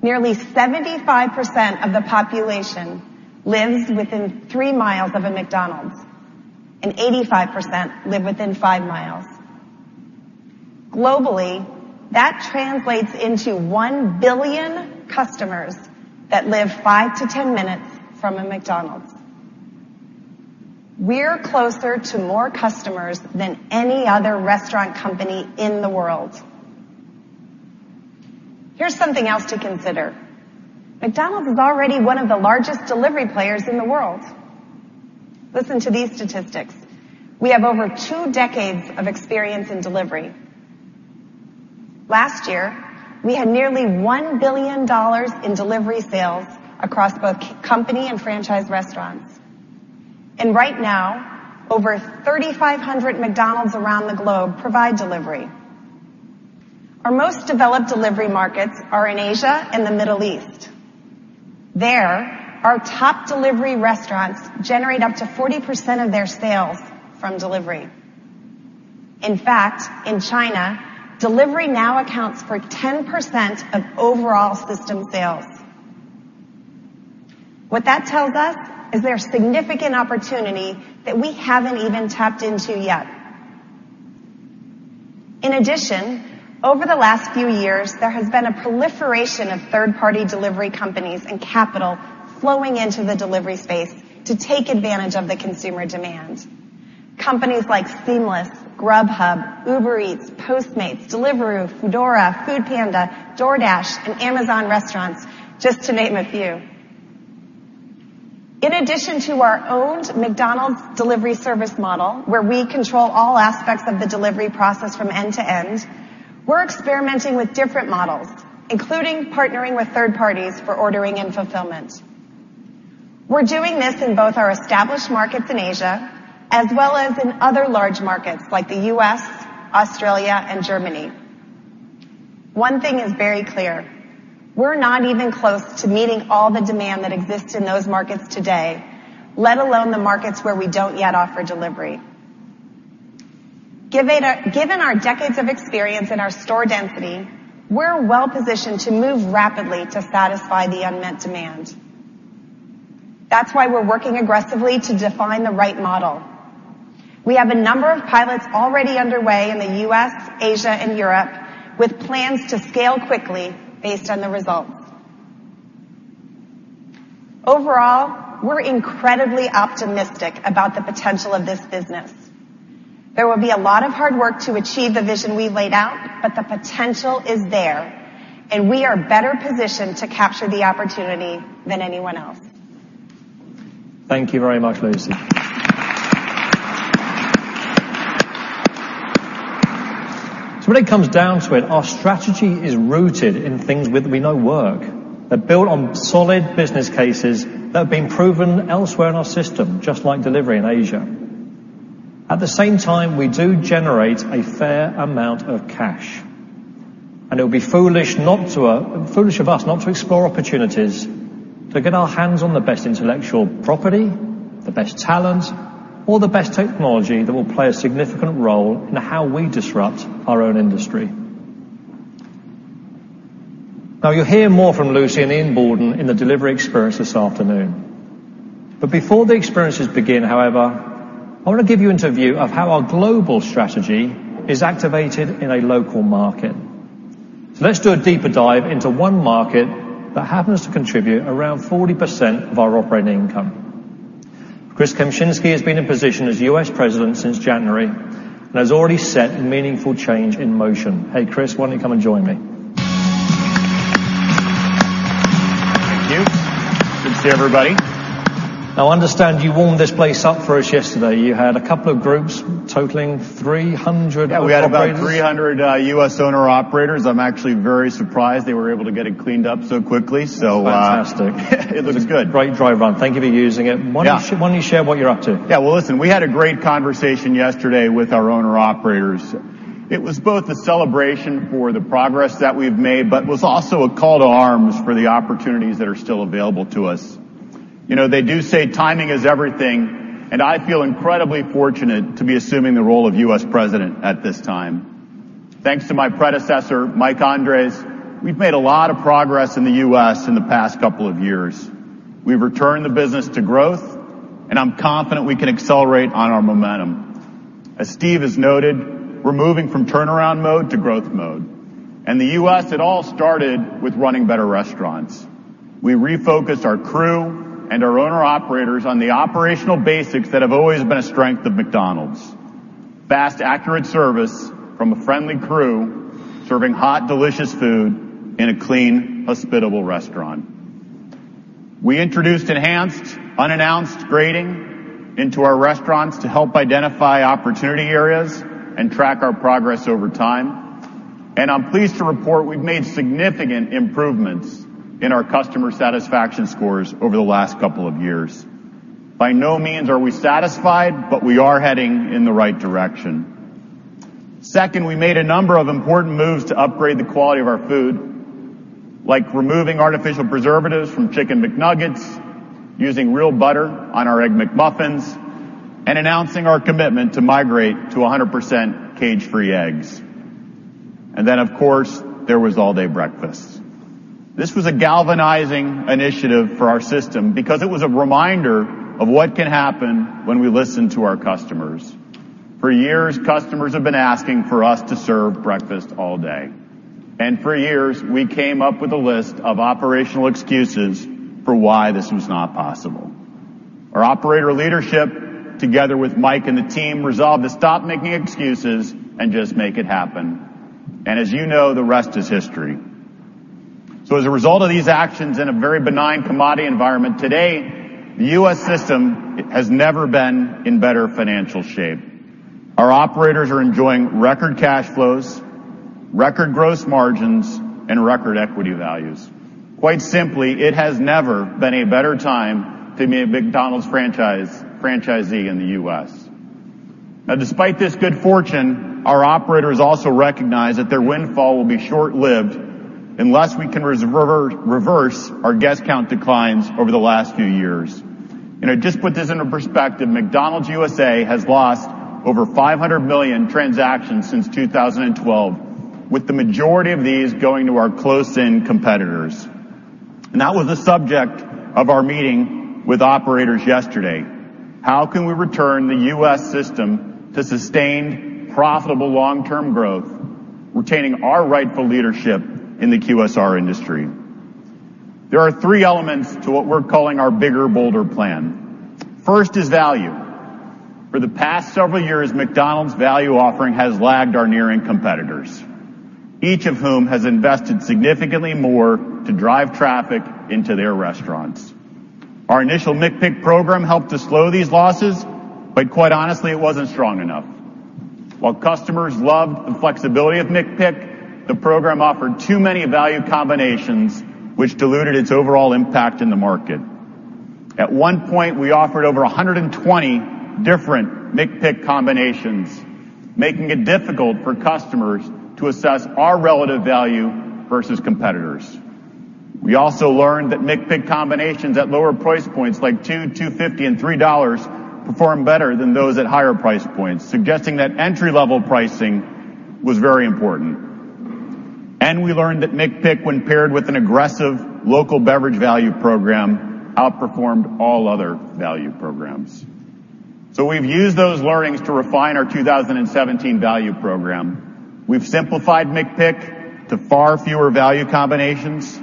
nearly 75% of the population lives within three miles of a McDonald's, and 85% live within five miles. Globally, that translates into 1 billion customers that live five to 10 minutes from a McDonald's. We're closer to more customers than any other restaurant company in the world. Here's something else to consider. McDonald's is already one of the largest delivery players in the world. Listen to these statistics. We have over two decades of experience in delivery. Last year, we had nearly $1 billion in delivery sales across both company and franchise restaurants. Right now, over 3,500 McDonald's around the globe provide delivery. Our most developed delivery markets are in Asia and the Middle East. There, our top delivery restaurants generate up to 40% of their sales from delivery. In fact, in China, delivery now accounts for 10% of overall system sales. What that tells us is there's significant opportunity that we haven't even tapped into yet. Over the last few years, there has been a proliferation of third-party delivery companies and capital flowing into the delivery space to take advantage of the consumer demand. Companies like Seamless, Grubhub, Uber Eats, Postmates, Deliveroo, Foodora, foodpanda, DoorDash, and Amazon Restaurants, just to name a few. In addition to our owned McDonald's delivery service model, where we control all aspects of the delivery process from end to end, we're experimenting with different models Including partnering with third parties for ordering and fulfillment. We're doing this in both our established markets in Asia as well as in other large markets like the U.S., Australia, and Germany. One thing is very clear, we're not even close to meeting all the demand that exists in those markets today, let alone the markets where we don't yet offer delivery. Given our decades of experience and our store density, we're well-positioned to move rapidly to satisfy the unmet demand. That's why we're working aggressively to define the right model. We have a number of pilots already underway in the U.S., Asia, and Europe, with plans to scale quickly based on the results. Overall, we're incredibly optimistic about the potential of this business. There will be a lot of hard work to achieve the vision we've laid out, but the potential is there, and we are better positioned to capture the opportunity than anyone else. Thank you very much, Lucy. When it comes down to it, our strategy is rooted in things that we know work, that build on solid business cases that have been proven elsewhere in our system, just like delivery in Asia. At the same time, we do generate a fair amount of cash, and it would be foolish of us not to explore opportunities to get our hands on the best intellectual property, the best talent, or the best technology that will play a significant role in how we disrupt our own industry. You'll hear more from Lucy and Ian Borden in the delivery experience this afternoon. Before the experiences begin, however, I want to give you into a view of how our global strategy is activated in a local market. Let's do a deeper dive into one market that happens to contribute around 40% of our operating income. Chris Kempczinski has been in position as U.S. president since January, and has already set meaningful change in motion. Hey, Chris, why don't you come and join me? Thank you. Good to see everybody. I understand you warmed this place up for us yesterday. You had a couple of groups totaling 300 operator- Yeah, we had about 300 U.S. owner-operators. I'm actually very surprised they were able to get it cleaned up so quickly. That's fantastic. It looks good. Great drive on. Thank you for using it. Yeah. Why don't you share what you're up to? Yeah. Well, listen, we had a great conversation yesterday with our owner-operators. It was both a celebration for the progress that we've made, but was also a call to arms for the opportunities that are still available to us. They do say timing is everything, and I feel incredibly fortunate to be assuming the role of U.S. president at this time. Thanks to my predecessor, Mike Andres, we've made a lot of progress in the U.S. in the past couple of years. We've returned the business to growth, and I'm confident we can accelerate on our momentum. As Steve has noted, we're moving from turnaround mode to growth mode. In the U.S., it all started with running better restaurants. We refocused our crew and our owner-operators on the operational basics that have always been a strength of McDonald's: fast, accurate service from a friendly crew serving hot, delicious food in a clean, hospitable restaurant. We introduced enhanced unannounced grading into our restaurants to help identify opportunity areas and track our progress over time. I'm pleased to report we've made significant improvements in our customer satisfaction scores over the last couple of years. By no means are we satisfied, but we are heading in the right direction. Second, we made a number of important moves to upgrade the quality of our food, like removing artificial preservatives from Chicken McNuggets, using real butter on our Egg McMuffins, and announcing our commitment to migrate to 100% cage-free eggs. Then, of course, there was all-day breakfast. This was a galvanizing initiative for our system because it was a reminder of what can happen when we listen to our customers. For years, customers have been asking for us to serve breakfast all day. For years, we came up with a list of operational excuses for why this was not possible. Our operator leadership, together with Mike and the team, resolved to stop making excuses and just make it happen. As you know, the rest is history. As a result of these actions in a very benign commodity environment, today, the U.S. system has never been in better financial shape. Our operators are enjoying record cash flows, record gross margins, and record equity values. Quite simply, it has never been a better time to be a McDonald's franchisee in the U.S. Despite this good fortune, our operators also recognize that their windfall will be short-lived unless we can reverse our guest count declines over the last few years. To just put this into perspective, McDonald's USA has lost over 500 million transactions since 2012, with the majority of these going to our close-in competitors. That was the subject of our meeting with operators yesterday. How can we return the U.S. system to sustained, profitable long-term growth, retaining our rightful leadership in the QSR industry? There are three elements to what we're calling our bigger, bolder plan. First is value. For the past several years, McDonald's value offering has lagged our near-in competitors, each of whom has invested significantly more to drive traffic into their restaurants. Our initial McPick program helped to slow these losses, quite honestly, it wasn't strong enough. While customers loved the flexibility of McPick, the program offered too many value combinations, which diluted its overall impact in the market. At one point, we offered over 120 different McPick combinations, making it difficult for customers to assess our relative value versus competitors. We also learned that McPick combinations at lower price points like $2.00, $2.50, and $3.00 performed better than those at higher price points, suggesting that entry-level pricing was very important. We learned that McPick, when paired with an aggressive local beverage value program, outperformed all other value programs. We've used those learnings to refine our 2017 value program. We've simplified McPick to far fewer value combinations.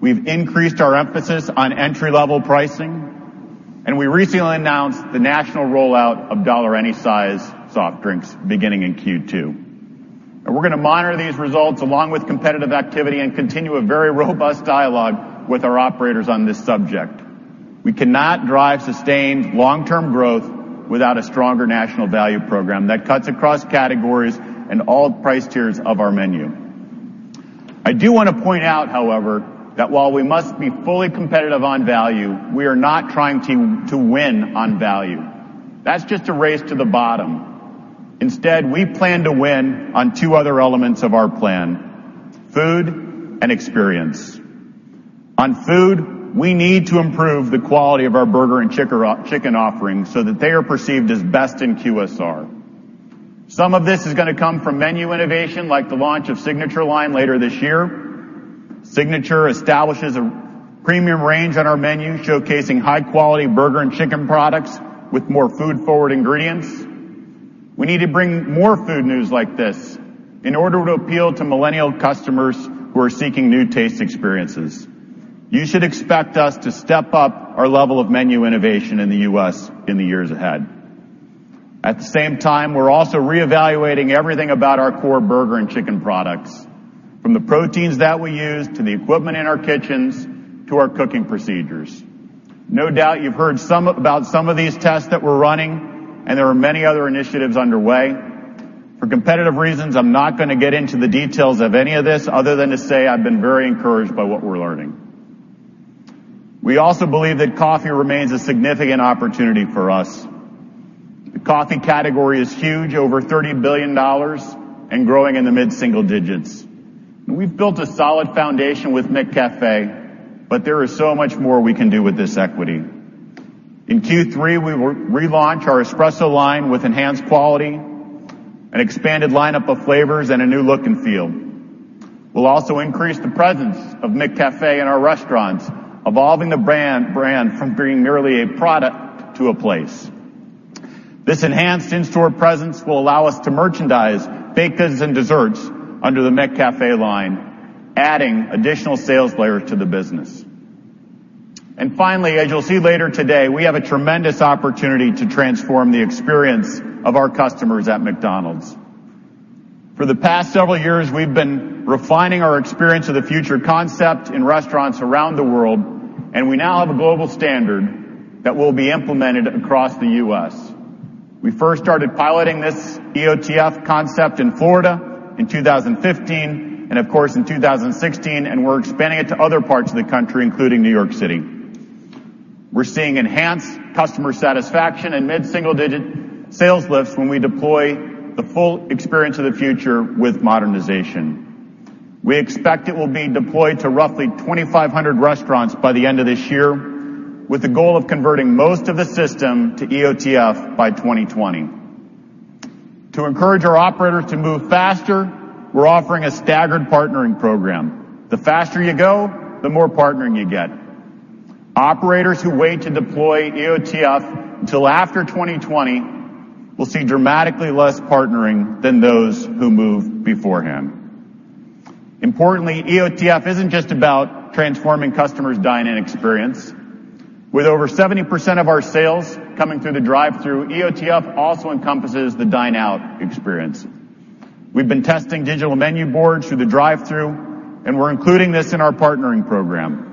We've increased our emphasis on entry-level pricing, and we recently announced the national rollout of $1 any size soft drinks beginning in Q2. We're going to monitor these results along with competitive activity and continue a very robust dialogue with our operators on this subject. We cannot drive sustained long-term growth without a stronger national value program that cuts across categories and all price tiers of our menu. I do want to point out, however, that while we must be fully competitive on value, we are not trying to win on value. That's just a race to the bottom. Instead, we plan to win on two other elements of our plan: food and experience. On food, we need to improve the quality of our burger and chicken offerings so that they are perceived as best in QSR. Some of this is going to come from menu innovation, like the launch of Signature Line later this year. Signature establishes a premium range on our menu, showcasing high-quality burger and chicken products with more food-forward ingredients. We need to bring more food news like this in order to appeal to millennial customers who are seeking new taste experiences. You should expect us to step up our level of menu innovation in the U.S. in the years ahead. At the same time, we're also reevaluating everything about our core burger and chicken products, from the proteins that we use, to the equipment in our kitchens, to our cooking procedures. No doubt you've heard about some of these tests that we're running, and there are many other initiatives underway. For competitive reasons, I'm not going to get into the details of any of this other than to say, I've been very encouraged by what we're learning. We also believe that coffee remains a significant opportunity for us. The coffee category is huge, over $30 billion, and growing in the mid-single digits. We've built a solid foundation with McCafé, but there is so much more we can do with this equity. In Q3, we will relaunch our espresso line with enhanced quality, an expanded lineup of flavors, and a new look and feel. We'll also increase the presence of McCafé in our restaurants, evolving the brand from being merely a product to a place. This enhanced in-store presence will allow us to merchandise baked goods and desserts under the McCafé line, adding additional sales layers to the business. Finally, as you'll see later today, we have a tremendous opportunity to transform the experience of our customers at McDonald's. For the past several years, we've been refining our Experience of the Future concept in restaurants around the world, and we now have a global standard that will be implemented across the U.S. We first started piloting this EOTF concept in Florida in 2015 and, of course, in 2016, and we're expanding it to other parts of the country, including New York City. We're seeing enhanced customer satisfaction and mid-single-digit sales lifts when we deploy the full Experience of the Future with modernization. We expect it will be deployed to roughly 2,500 restaurants by the end of this year with the goal of converting most of the system to EOTF by 2020. To encourage our operators to move faster, we're offering a staggered partnering program. The faster you go, the more partnering you get. Operators who wait to deploy EOTF until after 2020 will see dramatically less partnering than those who move beforehand. Importantly, EOTF isn't just about transforming customers' dine-in experience. With over 70% of our sales coming through the drive-thru, EOTF also encompasses the dine-out experience. We've been testing digital menu boards through the drive-thru, and we're including this in our partnering program.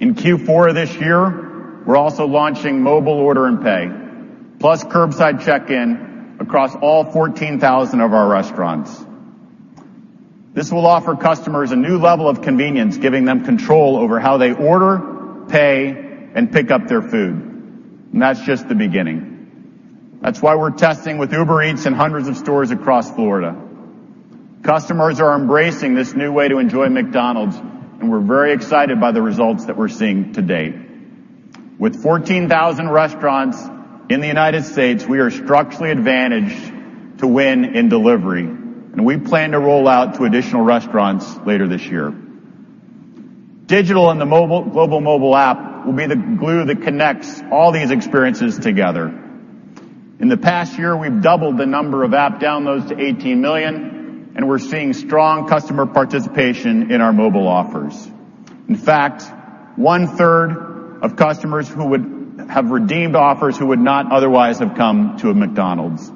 In Q4 of this year, we're also launching mobile order and pay, plus curbside check-in across all 14,000 of our restaurants. This will offer customers a new level of convenience, giving them control over how they order, pay, and pick up their food. That's just the beginning. That's why we're testing with Uber Eats in hundreds of stores across Florida. Customers are embracing this new way to enjoy McDonald's, and we're very excited by the results that we're seeing to date. With 14,000 restaurants in the U.S., we are structurally advantaged to win in delivery, and we plan to roll out to additional restaurants later this year. Digital and the global mobile app will be the glue that connects all these experiences together. In the past year, we've doubled the number of app downloads to 18 million, and we're seeing strong customer participation in our mobile offers. In fact, one-third of customers who would have redeemed offers who would not otherwise have come to a McDonald's.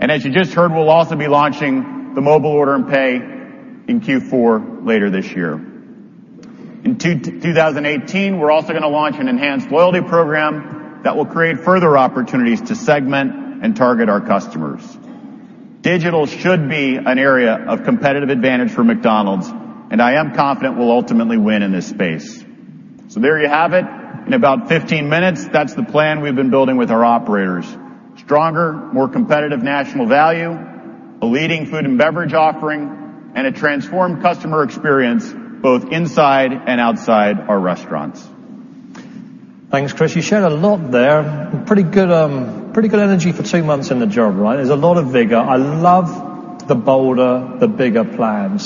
As you just heard, we'll also be launching the mobile order and pay in Q4 later this year. In 2018, we're also going to launch an enhanced loyalty program that will create further opportunities to segment and target our customers. Digital should be an area of competitive advantage for McDonald's, and I am confident we'll ultimately win in this space. There you have it. In about 15 minutes, that's the plan we've been building with our operators. Stronger, more competitive national value, a leading food and beverage offering, and a transformed customer experience both inside and outside our restaurants. Thanks, Chris. You shared a lot there. Pretty good energy for two months in the job, right? There's a lot of vigor. I love the bolder, the bigger plan.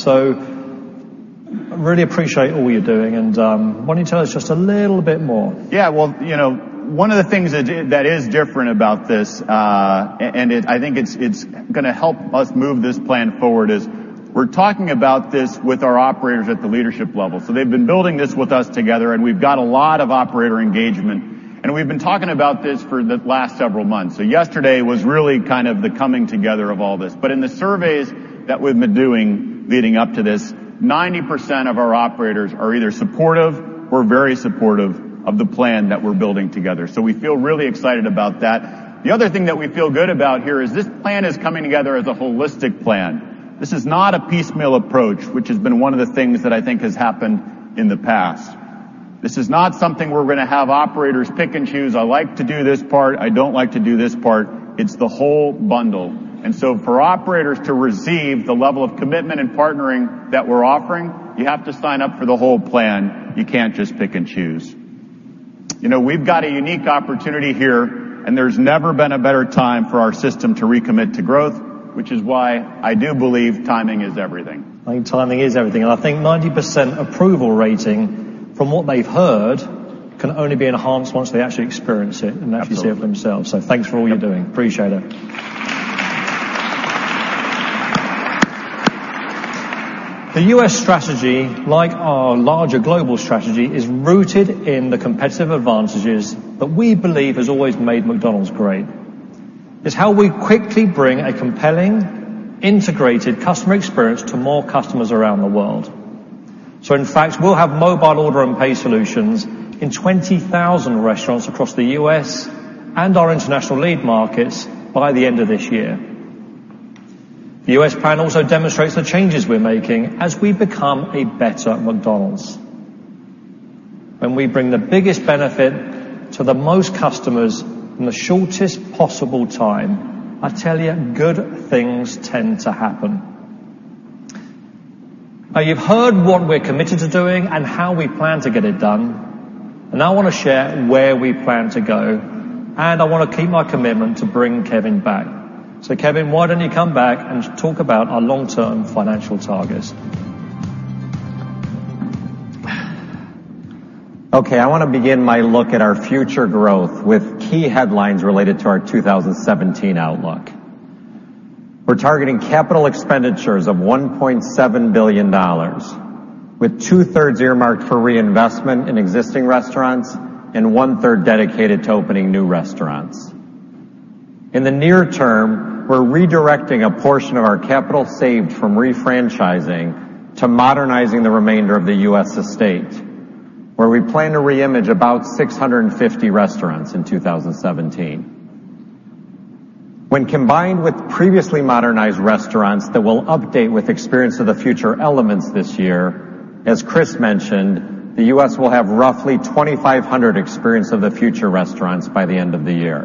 Really appreciate all you're doing and why don't you tell us just a little bit more? Yeah. One of the things that is different about this, I think it's going to help us move this plan forward, is we're talking about this with our operators at the leadership level. They've been building this with us together and we've got a lot of operator engagement. We've been talking about this for the last several months. Yesterday was really the coming together of all this. In the surveys that we've been doing leading up to this, 90% of our operators are either supportive or very supportive of the plan that we're building together. We feel really excited about that. The other thing that we feel good about here is this plan is coming together as a holistic plan. This is not a piecemeal approach, which has been one of the things that I think has happened in the past. This is not something we're going to have operators pick and choose. I like to do this part. I don't like to do this part. It's the whole bundle. For operators to receive the level of commitment and partnering that we're offering, you have to sign up for the whole plan. You can't just pick and choose. We've got a unique opportunity here, and there's never been a better time for our system to recommit to growth, which is why I do believe timing is everything. I think timing is everything. I think 90% approval rating from what they've heard can only be enhanced once they actually experience it. Absolutely Actually see it for themselves. Thanks for all you're doing. Appreciate it. The U.S. strategy, like our larger global strategy, is rooted in the competitive advantages that we believe has always made McDonald's great. It's how we quickly bring a compelling, integrated customer experience to more customers around the world. In fact, we'll have mobile order and pay solutions in 20,000 restaurants across the U.S. and our international lead markets by the end of this year. The U.S. plan also demonstrates the changes we're making as we become a better McDonald's. When we bring the biggest benefit to the most customers in the shortest possible time, I tell you, good things tend to happen. You've heard what we're committed to doing and how we plan to get it done. I want to share where we plan to go, and I want to keep my commitment to bring Kevin back. Kevin, why don't you come back and talk about our long-term financial targets? Okay. I want to begin my look at our future growth with key headlines related to our 2017 outlook. We're targeting capital expenditures of $1.7 billion, with two-thirds earmarked for reinvestment in existing restaurants and one-third dedicated to opening new restaurants. In the near term, we're redirecting a portion of our capital saved from refranchising to modernizing the remainder of the U.S. estate, where we plan to re-image about 650 restaurants in 2017. When combined with previously modernized restaurants that we'll update with Experience of the Future elements this year, as Chris mentioned, the U.S. will have roughly 2,500 Experience of the Future restaurants by the end of the year.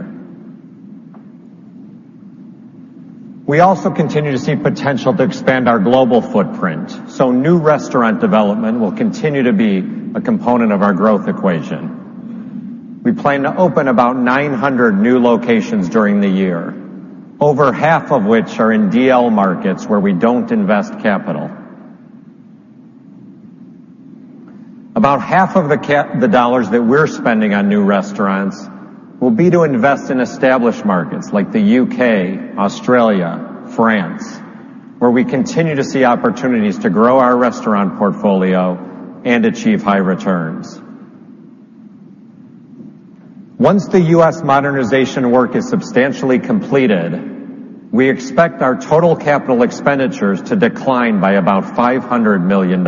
New restaurant development will continue to be a component of our growth equation. We plan to open about 900 new locations during the year, over half of which are in DL markets where we don't invest capital. About half of the dollars that we're spending on new restaurants will be to invest in established markets like the U.K., Australia, France, where we continue to see opportunities to grow our restaurant portfolio and achieve high returns. Once the U.S. modernization work is substantially completed, we expect our total capital expenditures to decline by about $500 million.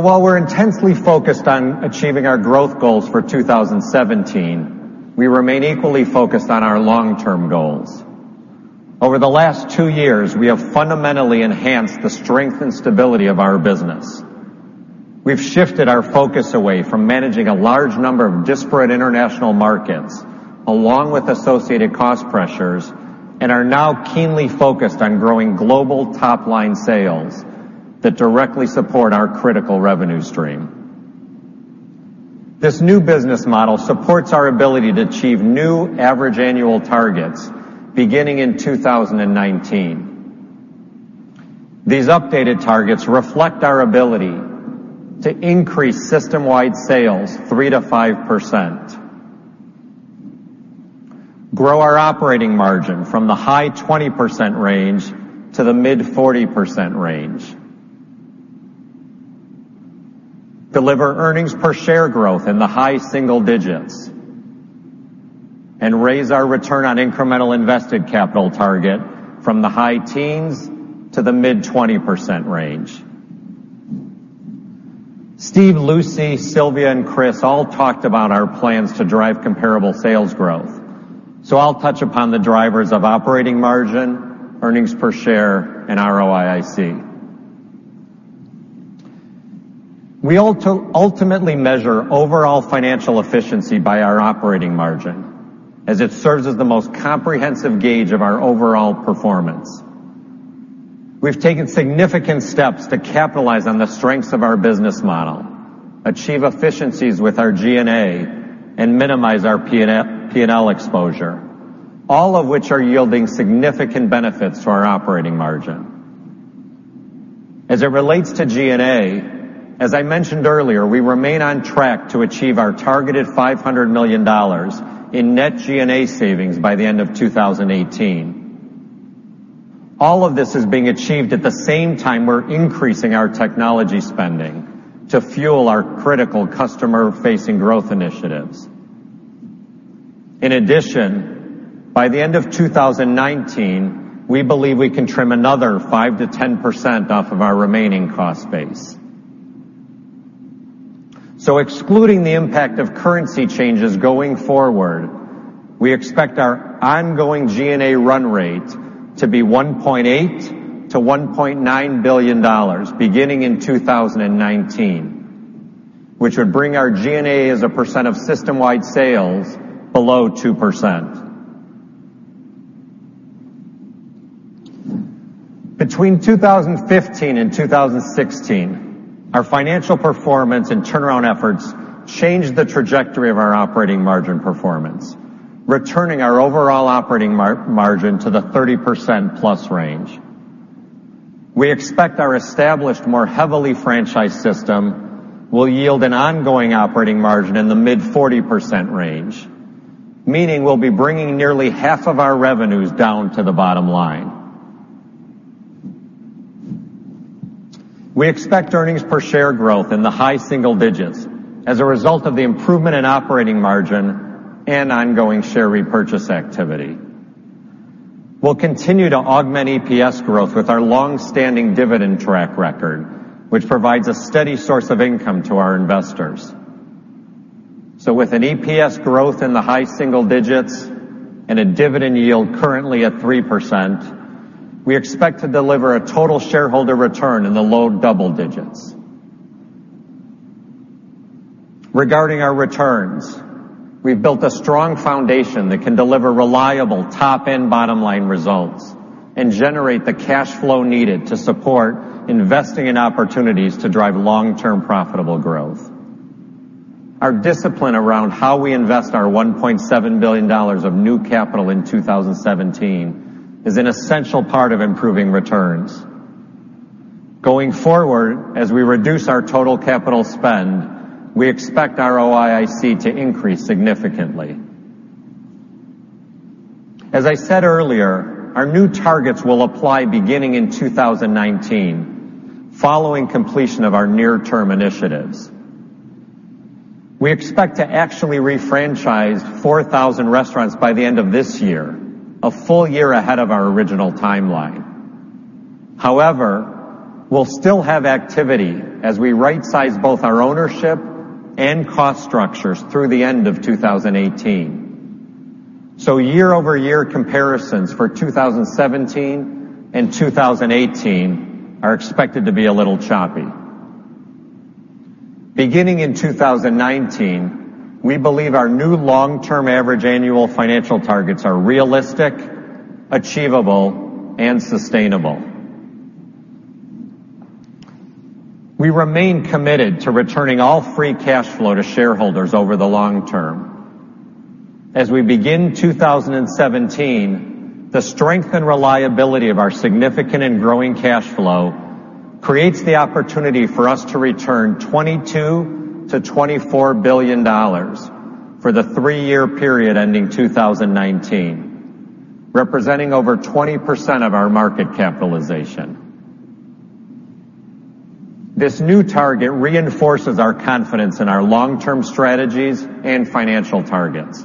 While we're intensely focused on achieving our growth goals for 2017, we remain equally focused on our long-term goals. Over the last two years, we have fundamentally enhanced the strength and stability of our business. We've shifted our focus away from managing a large number of disparate international markets, along with associated cost pressures, and are now keenly focused on growing global top-line sales that directly support our critical revenue stream. This new business model supports our ability to achieve new average annual targets beginning in 2019. These updated targets reflect our ability to increase system-wide sales 3%-5%, grow our operating margin from the high 20% range to the mid 40% range. Deliver earnings per share growth in the high single digits, and raise our return on incremental invested capital target from the high teens to the mid-20% range. Steve, Lucy, Silvia, and Chris all talked about our plans to drive comparable sales growth. I'll touch upon the drivers of operating margin, earnings per share, and ROIC. We ultimately measure overall financial efficiency by our operating margin, as it serves as the most comprehensive gauge of our overall performance. We've taken significant steps to capitalize on the strengths of our business model, achieve efficiencies with our G&A, and minimize our P&L exposure, all of which are yielding significant benefits to our operating margin. As it relates to G&A, as I mentioned earlier, we remain on track to achieve our targeted $500 million in net G&A savings by the end of 2018. All of this is being achieved at the same time we're increasing our technology spending to fuel our critical customer-facing growth initiatives. In addition, by the end of 2019, we believe we can trim another 5%-10% off of our remaining cost base. Excluding the impact of currency changes going forward, we expect our ongoing G&A run rate to be $1.8 billion-$1.9 billion beginning in 2019, which would bring our G&A as a percent of system-wide sales below 2%. Between 2015 and 2016, our financial performance and turnaround efforts changed the trajectory of our operating margin performance, returning our overall operating margin to the 30% plus range. We expect our established, more heavily franchised system will yield an ongoing operating margin in the mid-40% range, meaning we'll be bringing nearly half of our revenues down to the bottom line. We expect earnings per share growth in the high single digits as a result of the improvement in operating margin and ongoing share repurchase activity. We'll continue to augment EPS growth with our longstanding dividend track record, which provides a steady source of income to our investors. With an EPS growth in the high single digits and a dividend yield currently at 3%, we expect to deliver a total shareholder return in the low double digits. Regarding our returns, we've built a strong foundation that can deliver reliable top and bottom-line results and generate the cash flow needed to support investing in opportunities to drive long-term profitable growth. Our discipline around how we invest our $1.7 billion of new capital in 2017 is an essential part of improving returns. Going forward, as we reduce our total capital spend, we expect ROIC to increase significantly. As I said earlier, our new targets will apply beginning in 2019, following completion of our near-term initiatives. We expect to actually refranchise 4,000 restaurants by the end of this year, a full year ahead of our original timeline. However, we'll still have activity as we rightsize both our ownership and cost structures through the end of 2018. Year-over-year comparisons for 2017 and 2018 are expected to be a little choppy. Beginning in 2019, we believe our new long-term average annual financial targets are realistic, achievable, and sustainable. We remain committed to returning all free cash flow to shareholders over the long term. As we begin 2017, the strength and reliability of our significant and growing cash flow creates the opportunity for us to return $22 billion-$24 billion for the three-year period ending 2019, representing over 20% of our market capitalization. This new target reinforces our confidence in our long-term strategies and financial targets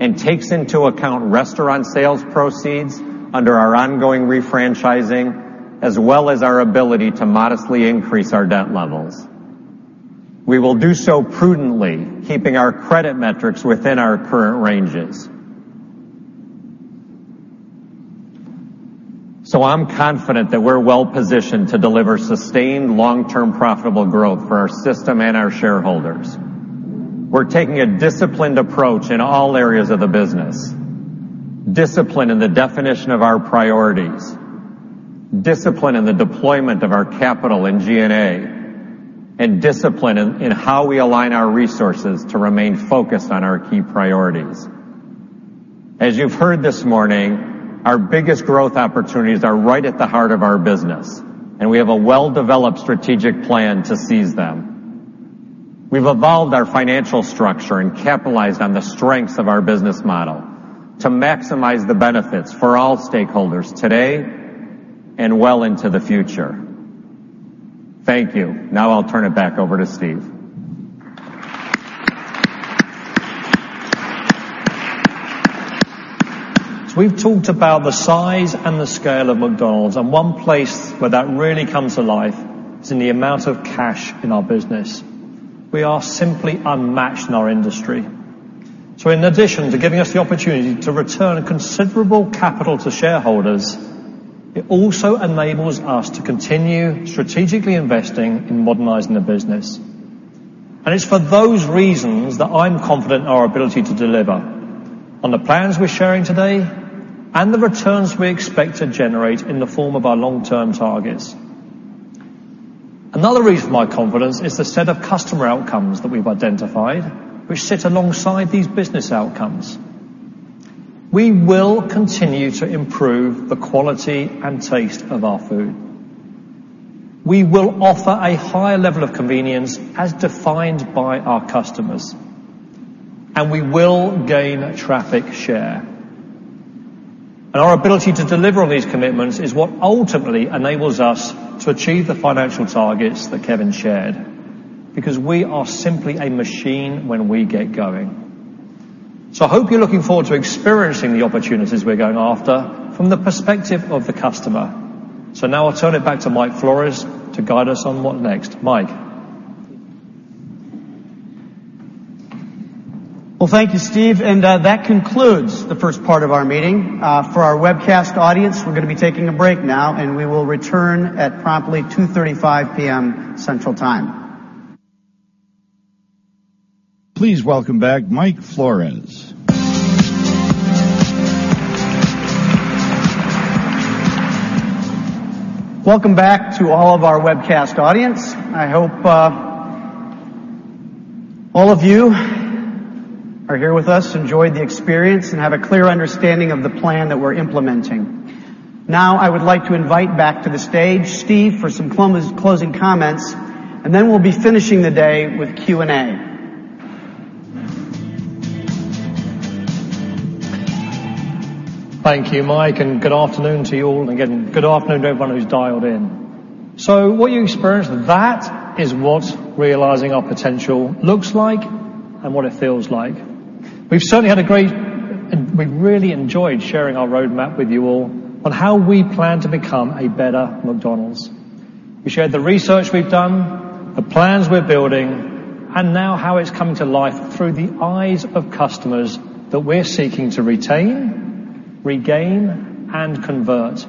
and takes into account restaurant sales proceeds under our ongoing refranchising, as well as our ability to modestly increase our debt levels. We will do so prudently, keeping our credit metrics within our current ranges. I'm confident that we're well-positioned to deliver sustained long-term profitable growth for our system and our shareholders. We're taking a disciplined approach in all areas of the business. Discipline in the definition of our priorities, discipline in the deployment of our capital and G&A, and discipline in how we align our resources to remain focused on our key priorities. As you've heard this morning, our biggest growth opportunities are right at the heart of our business, and we have a well-developed strategic plan to seize them. We've evolved our financial structure and capitalized on the strengths of our business model to maximize the benefits for all stakeholders today. Well into the future. Thank you. Now I'll turn it back over to Steve Easterbrook. We've talked about the size and the scale of McDonald's, and one place where that really comes to life is in the amount of cash in our business. We are simply unmatched in our industry. In addition to giving us the opportunity to return considerable capital to shareholders, it also enables us to continue strategically investing in modernizing the business. It's for those reasons that I'm confident in our ability to deliver on the plans we're sharing today and the returns we expect to generate in the form of our long-term targets. Another reason for my confidence is the set of customer outcomes that we've identified, which sit alongside these business outcomes. We will continue to improve the quality and taste of our food. We will offer a higher level of convenience as defined by our customers. We will gain traffic share. Our ability to deliver on these commitments is what ultimately enables us to achieve the financial targets that Kevin Ozan shared, because we are simply a machine when we get going. I hope you're looking forward to experiencing the opportunities we're going after from the perspective of the customer. Now I'll turn it back to Mike Flores to guide us on what next. Mike? Well, thank you, Steve Easterbrook, that concludes the first part of our meeting. For our webcast audience, we're going to be taking a break now, we will return at promptly 2:35 P.M. Central Time. Please welcome back Mike Flores. Welcome back to all of our webcast audience. I hope all of you are here with us, enjoyed the experience, and have a clear understanding of the plan that we're implementing. I would like to invite back to the stage Steve for some closing comments, we'll be finishing the day with Q&A. Thank you, Mike, and good afternoon to you all, and again, good afternoon to everyone who's dialed in. What you experienced, that is what realizing our potential looks like and what it feels like. We've really enjoyed sharing our roadmap with you all on how we plan to become a better McDonald's. We shared the research we've done, the plans we're building, and now how it's coming to life through the eyes of customers that we're seeking to retain, regain, and convert.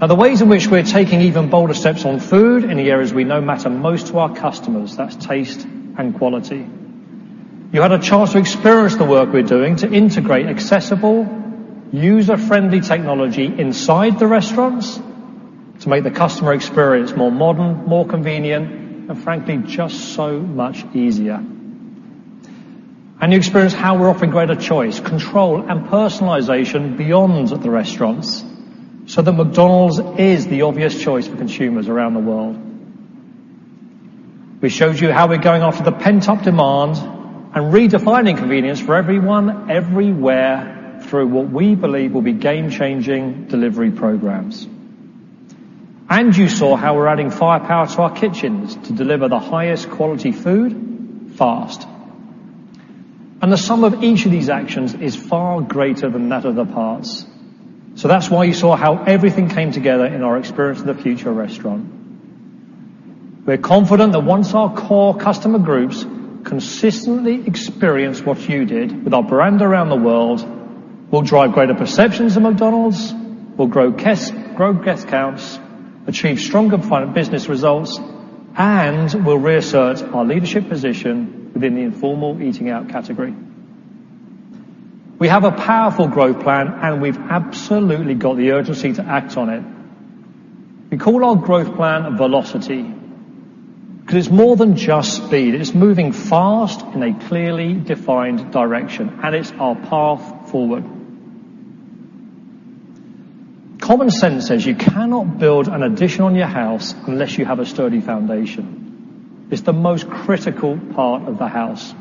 The ways in which we're taking even bolder steps on food in the areas we know matter most to our customers, that's taste and quality. You had a chance to experience the work we're doing to integrate accessible, user-friendly technology inside the restaurants to make the customer experience more modern, more convenient, and frankly, just so much easier. You experienced how we're offering greater choice, control, and personalization beyond the restaurants so that McDonald's is the obvious choice for consumers around the world. We showed you how we're going after the pent-up demand and redefining convenience for everyone everywhere through what we believe will be game-changing delivery programs. You saw how we're adding firepower to our kitchens to deliver the highest quality food fast. The sum of each of these actions is far greater than that of the parts. That's why you saw how everything came together in our Experience of the Future restaurant. We're confident that once our core customer groups consistently experience what you did with our brand around the world, we'll drive greater perceptions of McDonald's, we'll grow guest counts, achieve stronger profit business results, and we'll reassert our leadership position within the informal eating out category. We have a powerful growth plan, we've absolutely got the urgency to act on it. We call our growth plan Velocity because it's more than just speed. It's moving fast in a clearly defined direction, it's our path forward. Common sense says you cannot build an addition on your house unless you have a sturdy foundation. It's the most critical part of the house.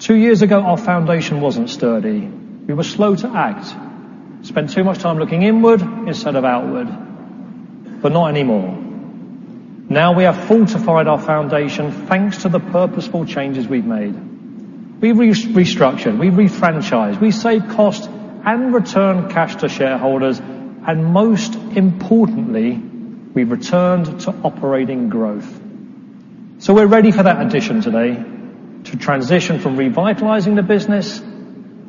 2 years ago, our foundation wasn't sturdy. We were slow to act, spent too much time looking inward instead of outward, not anymore. Now we have fortified our foundation thanks to the purposeful changes we've made. We've restructured, we've refranchised, we saved cost and returned cash to shareholders, most importantly, we've returned to operating growth. We're ready for that addition today to transition from revitalizing the business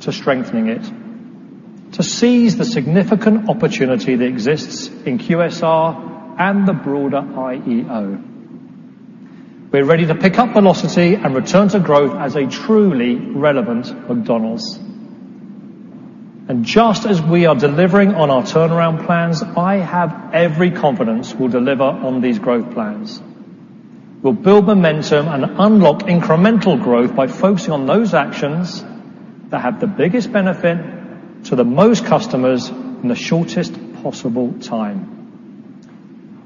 to strengthening it, to seize the significant opportunity that exists in QSR and the broader IEO. We're ready to pick up Velocity and return to growth as a truly relevant McDonald's. Just as we are delivering on our turnaround plans, I have every confidence we'll deliver on these growth plans. We'll build momentum and unlock incremental growth by focusing on those actions that have the biggest benefit to the most customers in the shortest possible time.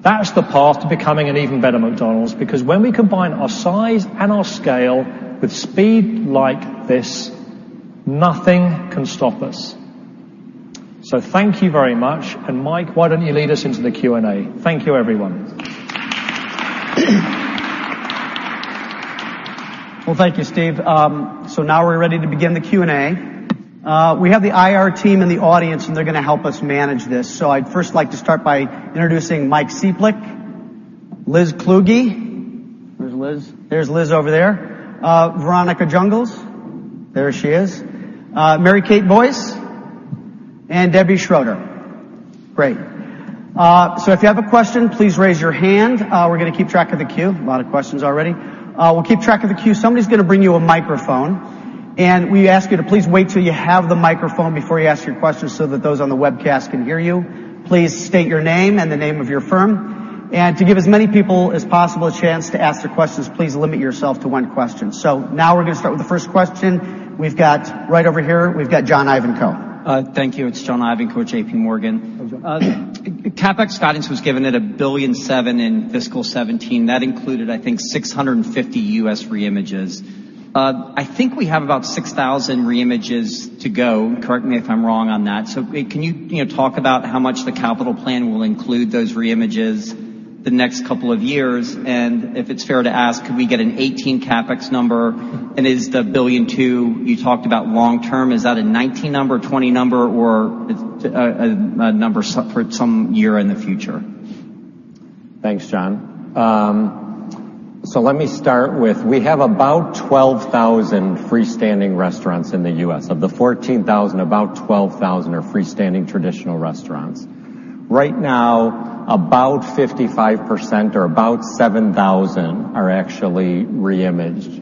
That's the path to becoming an even better McDonald's, because when we combine our size and our scale with speed like this, nothing can stop us. Thank you very much. Mike, why don't you lead us into the Q&A? Thank you, everyone. Well, thank you, Steve. Now we're ready to begin the Q&A. We have the IR team in the audience, they're going to help us manage this. I'd first like to start by introducing Mike Sieplic, Liz Kluge. Where's Liz? There's Liz over there. Veronica Jungels. There she is. Mary Kate Boyce, Debbie Schroeder. Great. If you have a question, please raise your hand. We're going to keep track of the queue. A lot of questions already. We'll keep track of the queue. Somebody's going to bring you a microphone, we ask you to please wait till you have the microphone before you ask your question so that those on the webcast can hear you. Please state your name and the name of your firm. To give as many people as possible a chance to ask their questions, please limit yourself to one question. Now we're going to start with the first question. We've got right over here, we've got John Ivankoe. Thank you. It's John Ivankoe, with J.P. Morgan. How's it going? CapEx guidance was given at $1.7 billion in fiscal 2017. That included, I think, 650 U.S. re-images. I think we have about 6,000 re-images to go, correct me if I'm wrong on that. Can you talk about how much the capital plan will include those re-images the next couple of years? And if it's fair to ask, could we get a 2018 CapEx number? And is the $1.2 billion you talked about long term, is that a 2019 number, a 2020 number, or a number for some year in the future? Thanks, John. Let me start with, we have about 12,000 freestanding restaurants in the U.S. Of the 14,000, about 12,000 are freestanding traditional restaurants. Right now, about 55%, or about 7,000, are actually re-imaged.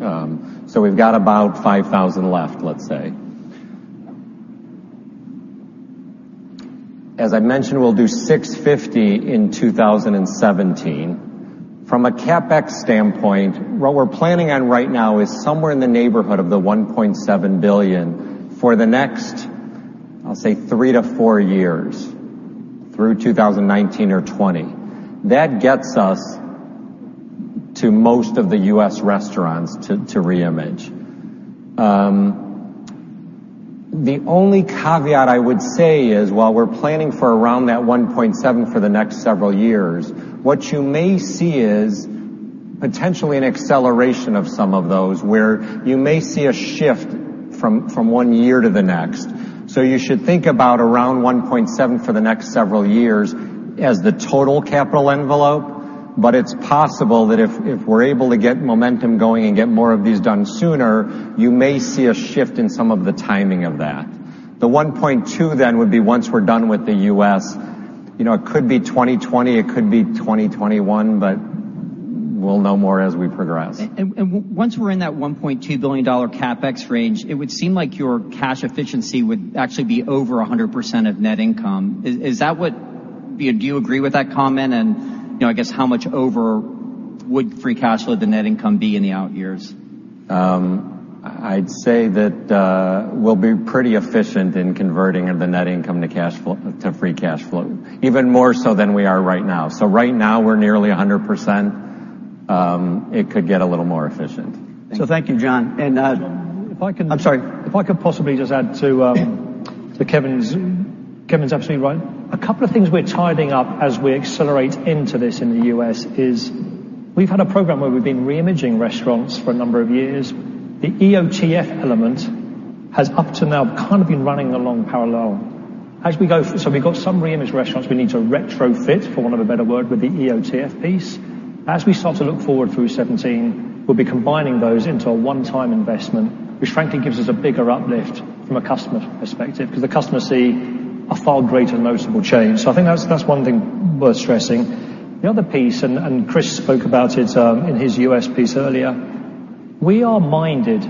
We've got about 5,000 left, let's say. As I mentioned, we'll do 650 in 2017. From a CapEx standpoint, what we're planning on right now is somewhere in the neighborhood of the $1.7 billion for the next, I'll say, three to four years, through 2019 or 2020. That gets us to most of the U.S. restaurants to re-image. The only caveat I would say is while we're planning for around that $1.7 billion for the next several years, what you may see is potentially an acceleration of some of those, where you may see a shift from one year to the next. You should think about around $1.7 billion for the next several years as the total capital envelope, it's possible that if we're able to get momentum going and get more of these done sooner, you may see a shift in some of the timing of that. The $1.2 billion would be once we're done with the U.S. It could be 2020, it could be 2021, but we'll know more as we progress. Once we're in that $1.2 billion CapEx range, it would seem like your cash efficiency would actually be over 100% of net income. Do you agree with that comment? I guess how much over would free cash flow the net income be in the out years? I'd say that we'll be pretty efficient in converting the net income to free cash flow, even more so than we are right now. Right now, we're nearly 100%. It could get a little more efficient. Thank you. thank you, John. If I could I'm sorry. If I could possibly just add to Kevin's absolutely right. A couple of things we're tiding up as we accelerate into this in the U.S. is we've had a program where we've been re-imaging restaurants for a number of years. The EOTF element has up to now kind of been running along parallel. We've got some re-image restaurants we need to retrofit, for want of a better word, with the EOTF piece. As we start to look forward through 2017, we'll be combining those into a one-time investment, which frankly gives us a bigger uplift from a customer perspective because the customers see a far greater noticeable change. I think that's one thing worth stressing. The other piece, and Chris spoke about it in his U.S. piece earlier, we are minded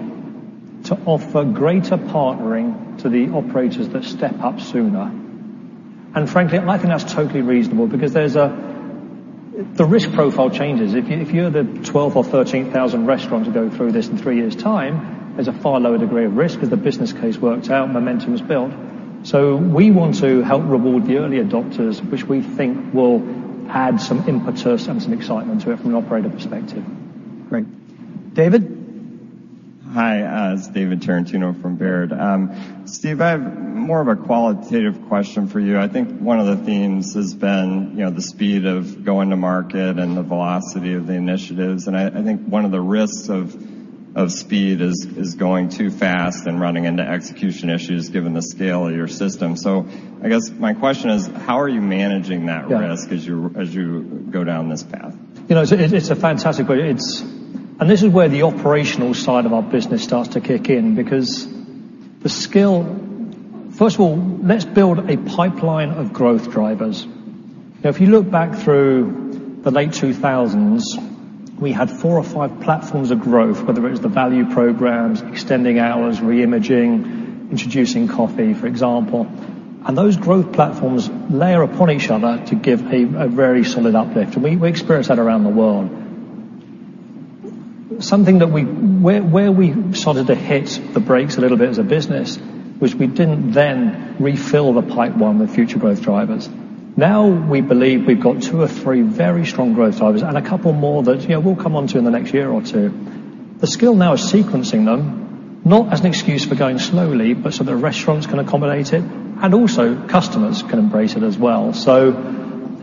to offer greater partnering to the operators that step up sooner. Frankly, I think that's totally reasonable because the risk profile changes. If you're the 12 or 13,000th restaurant to go through this in three years' time, there's a far lower degree of risk because the business case worked out and momentum's built. We want to help reward the early adopters, which we think will add some impetus and some excitement to it from an operator perspective. Great. David? Hi, it's David Tarantino from Baird. Steve, I have more of a qualitative question for you. I think one of the themes has been the speed of going to market and the velocity of the initiatives, I think one of the risks of speed is going too fast and running into execution issues, given the scale of your system. I guess my question is, how are you managing that risk- Yeah as you go down this path? It's a fantastic question. This is where the operational side of our business starts to kick in because first of all, let's build a pipeline of growth drivers. If you look back through the late 2000s, we had four or five platforms of growth, whether it was the value programs, extending hours, re-imaging, introducing coffee, for example. Those growth platforms layer upon each other to give a very solid uplift. We experience that around the world. Something that where we started to hit the brakes a little bit as a business, which we didn't then refill the pipe with the future growth drivers. We believe we've got two or three very strong growth drivers and a couple more that we'll come onto in the next year or two. The skill now is sequencing them, not as an excuse for going slowly, but so the restaurants can accommodate it, and also customers can embrace it as well.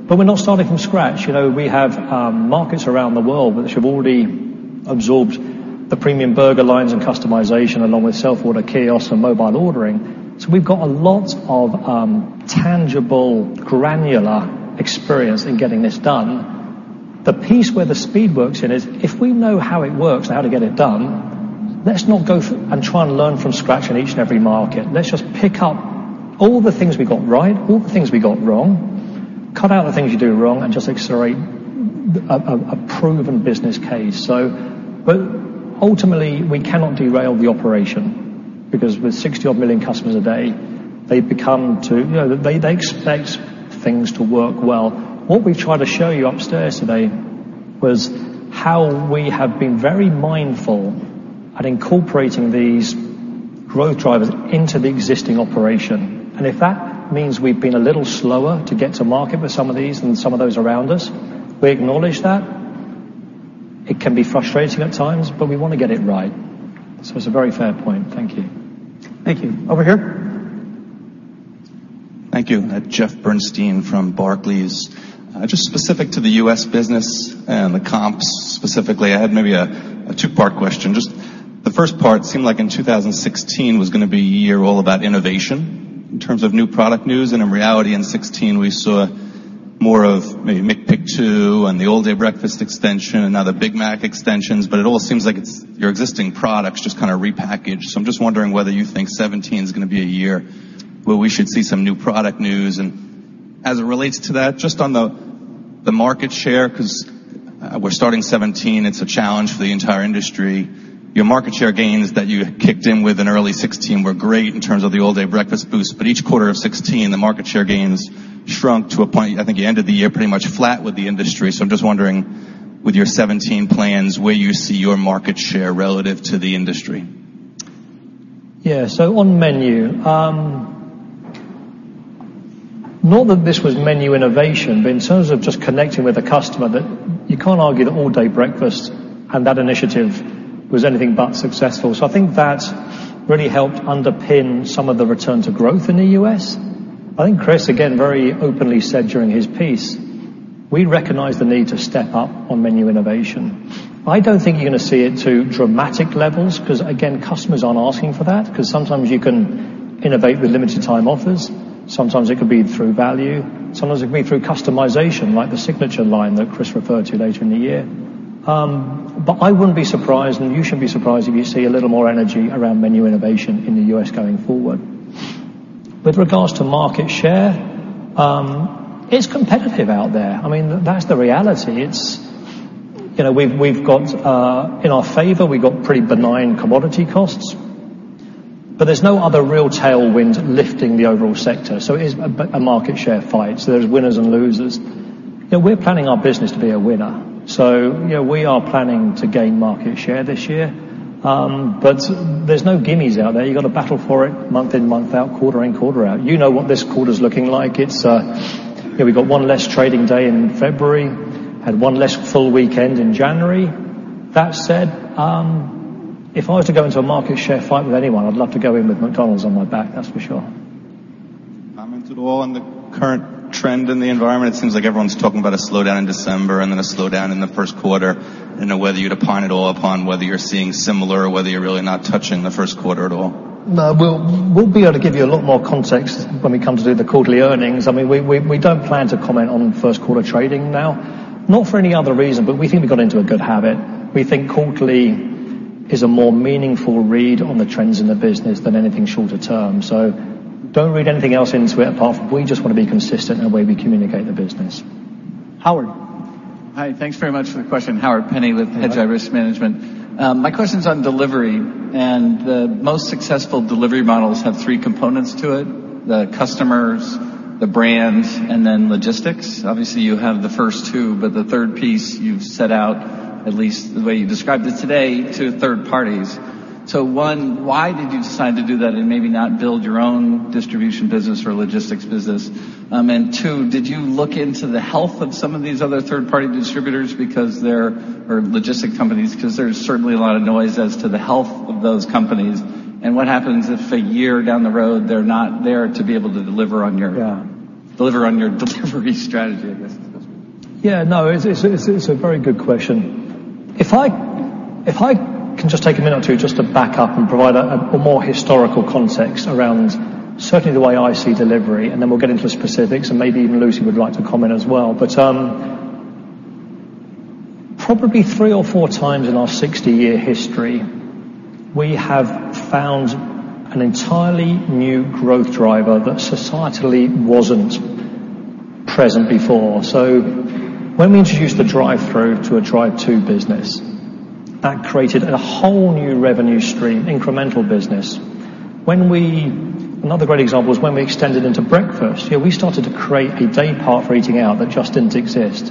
We're not starting from scratch. We have markets around the world which have already absorbed the premium burger lines and customization, along with self-order kiosks and mobile ordering. We've got a lot of tangible, granular experience in getting this done. The piece where the speed works in is if we know how it works and how to get it done, let's not go and try and learn from scratch in each and every market. Let's just pick up all the things we got right, all the things we got wrong, cut out the things you do wrong, and just accelerate a proven business case. Ultimately, we cannot derail the operation because with 60 odd million customers a day, they expect things to work well. What we tried to show you upstairs today was how we have been very mindful at incorporating these growth drivers into the existing operation. If that means we've been a little slower to get to market with some of these than some of those around us, we acknowledge that. It can be frustrating at times, but we want to get it right. It's a very fair point. Thank you. Thank you. Over here. Thank you. Jeffrey Bernstein from Barclays. Just specific to the U.S. business and the comps specifically, I had maybe a two-part question. Just the first part, seemed like in 2016 was going to be a year all about innovation in terms of new product news, in reality, in 2016, we saw more of maybe McPick 2 and the All Day Breakfast extension and now the Big Mac extensions, but it all seems like it's your existing products just kind of repackaged. I'm just wondering whether you think 2017 is going to be a year where we should see some new product news. As it relates to that, just on the market share, because we're starting 2017, it's a challenge for the entire industry. Your market share gains that you kicked in with in early 2016 were great in terms of the All Day Breakfast boost, but each quarter of 2016, the market share gains shrunk to a point, I think you ended the year pretty much flat with the industry. I'm just wondering with your 2017 plans, where you see your market share relative to the industry? Yeah. On menu. Not that this was menu innovation, but in terms of just connecting with the customer, you can't argue that All Day Breakfast and that initiative was anything but successful. I think that really helped underpin some of the return to growth in the U.S. I think Chris, again, very openly said during his piece, we recognize the need to step up on menu innovation. I don't think you're going to see it to dramatic levels because, again, customers aren't asking for that, because sometimes you can innovate with limited time offers. Sometimes it could be through value. Sometimes it could be through customization, like the Signature line that Chris referred to later in the year. I wouldn't be surprised, and you shouldn't be surprised if you see a little more energy around menu innovation in the U.S. going forward. With regards to market share, it's competitive out there. That's the reality. In our favor, we've got pretty benign commodity costs, but there's no other real tailwind lifting the overall sector. It is a market share fight. There's winners and losers. We're planning our business to be a winner. We are planning to gain market share this year. There's no gimmies out there. You've got to battle for it month in, month out, quarter in, quarter out. You know what this quarter's looking like. We've got one less trading day in February, had one less full weekend in January. That said, if I was to go into a market share fight with anyone, I'd love to go in with McDonald's on my back, that's for sure. Comment at all on the current trend in the environment? It seems like everyone's talking about a slowdown in December and then a slowdown in the first quarter. I don't know whether you'd opine at all upon whether you're seeing similar or whether you're really not touching the first quarter at all. We'll be able to give you a lot more context when we come to do the quarterly earnings. We don't plan to comment on first quarter trading now. Not for any other reason, we think we got into a good habit. We think quarterly is a more meaningful read on the trends in the business than anything shorter term. Don't read anything else into it, apart from we just want to be consistent in the way we communicate the business. Howard. Hi, thanks very much for the question. Howard Penney with Hi Hedgeye Risk Management. My question's on delivery. The most successful delivery models have three components to it, the customers, the brands, and then logistics. Obviously, you have the first two, the third piece you've set out, at least the way you described it today, to third parties. One, why did you decide to do that and maybe not build your own distribution business or logistics business? Two, did you look into the health of some of these other third-party distributors or logistic companies, because there's certainly a lot of noise as to the health of those companies, and what happens if a year down the road they're not there to be able to deliver on your. Yeah deliver on your delivery strategy, I guess is the question. Yeah, no, it's a very good question. If I can just take a minute or two just to back up and provide a more historical context around certainly the way I see delivery, then we'll get into the specifics, and maybe even Lucy would like to comment as well. Probably three or four times in our 60-year history, we have found an entirely new growth driver that societally wasn't present before. When we introduced the drive-thru to a drive-to business, that created a whole new revenue stream, incremental business. Another great example is when we extended into breakfast. We started to create a daypart for eating out that just didn't exist.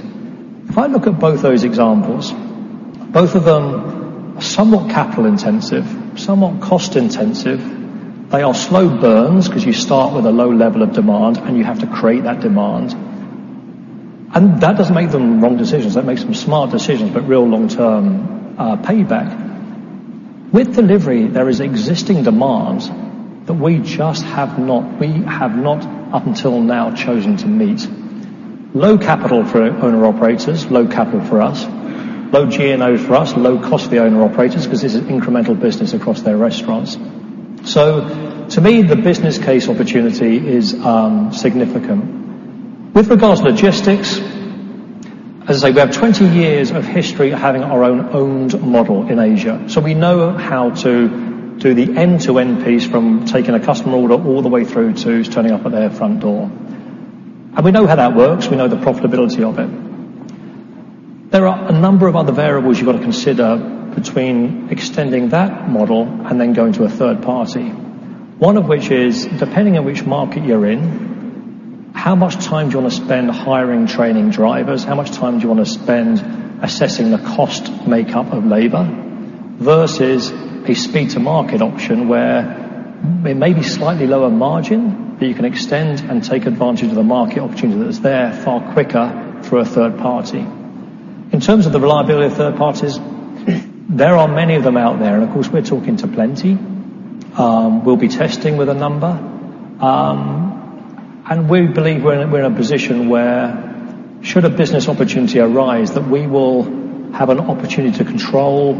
If I look at both those examples, both of them are somewhat capital intensive, somewhat cost intensive. They are slow burns because you start with a low level of demand and you have to create that demand, that doesn't make them wrong decisions. That makes them smart decisions, real long-term payback. With delivery, there is existing demand that we have not up until now chosen to meet. Low capital for owner operators, low capital for us, low G&A for us, low cost for the owner operators because this is incremental business across their restaurants. To me, the business case opportunity is significant. With regards to logistics, as I say, we have 20 years of history of having our own owned model in Asia, we know how to do the end-to-end piece from taking a customer order all the way through to turning up at their front door. We know how that works. We know the profitability of it. There are a number of other variables you've got to consider between extending that model, then going to a third party. One of which is, depending on which market you're in, how much time do you want to spend hiring, training drivers? How much time do you want to spend assessing the cost makeup of labor versus a speed to market option where it may be slightly lower margin, you can extend and take advantage of the market opportunity that's there far quicker through a third party. In terms of the reliability of third parties, there are many of them out there, of course, we're talking to plenty. We'll be testing with a number. We believe we're in a position where should a business opportunity arise, that we will have an opportunity to control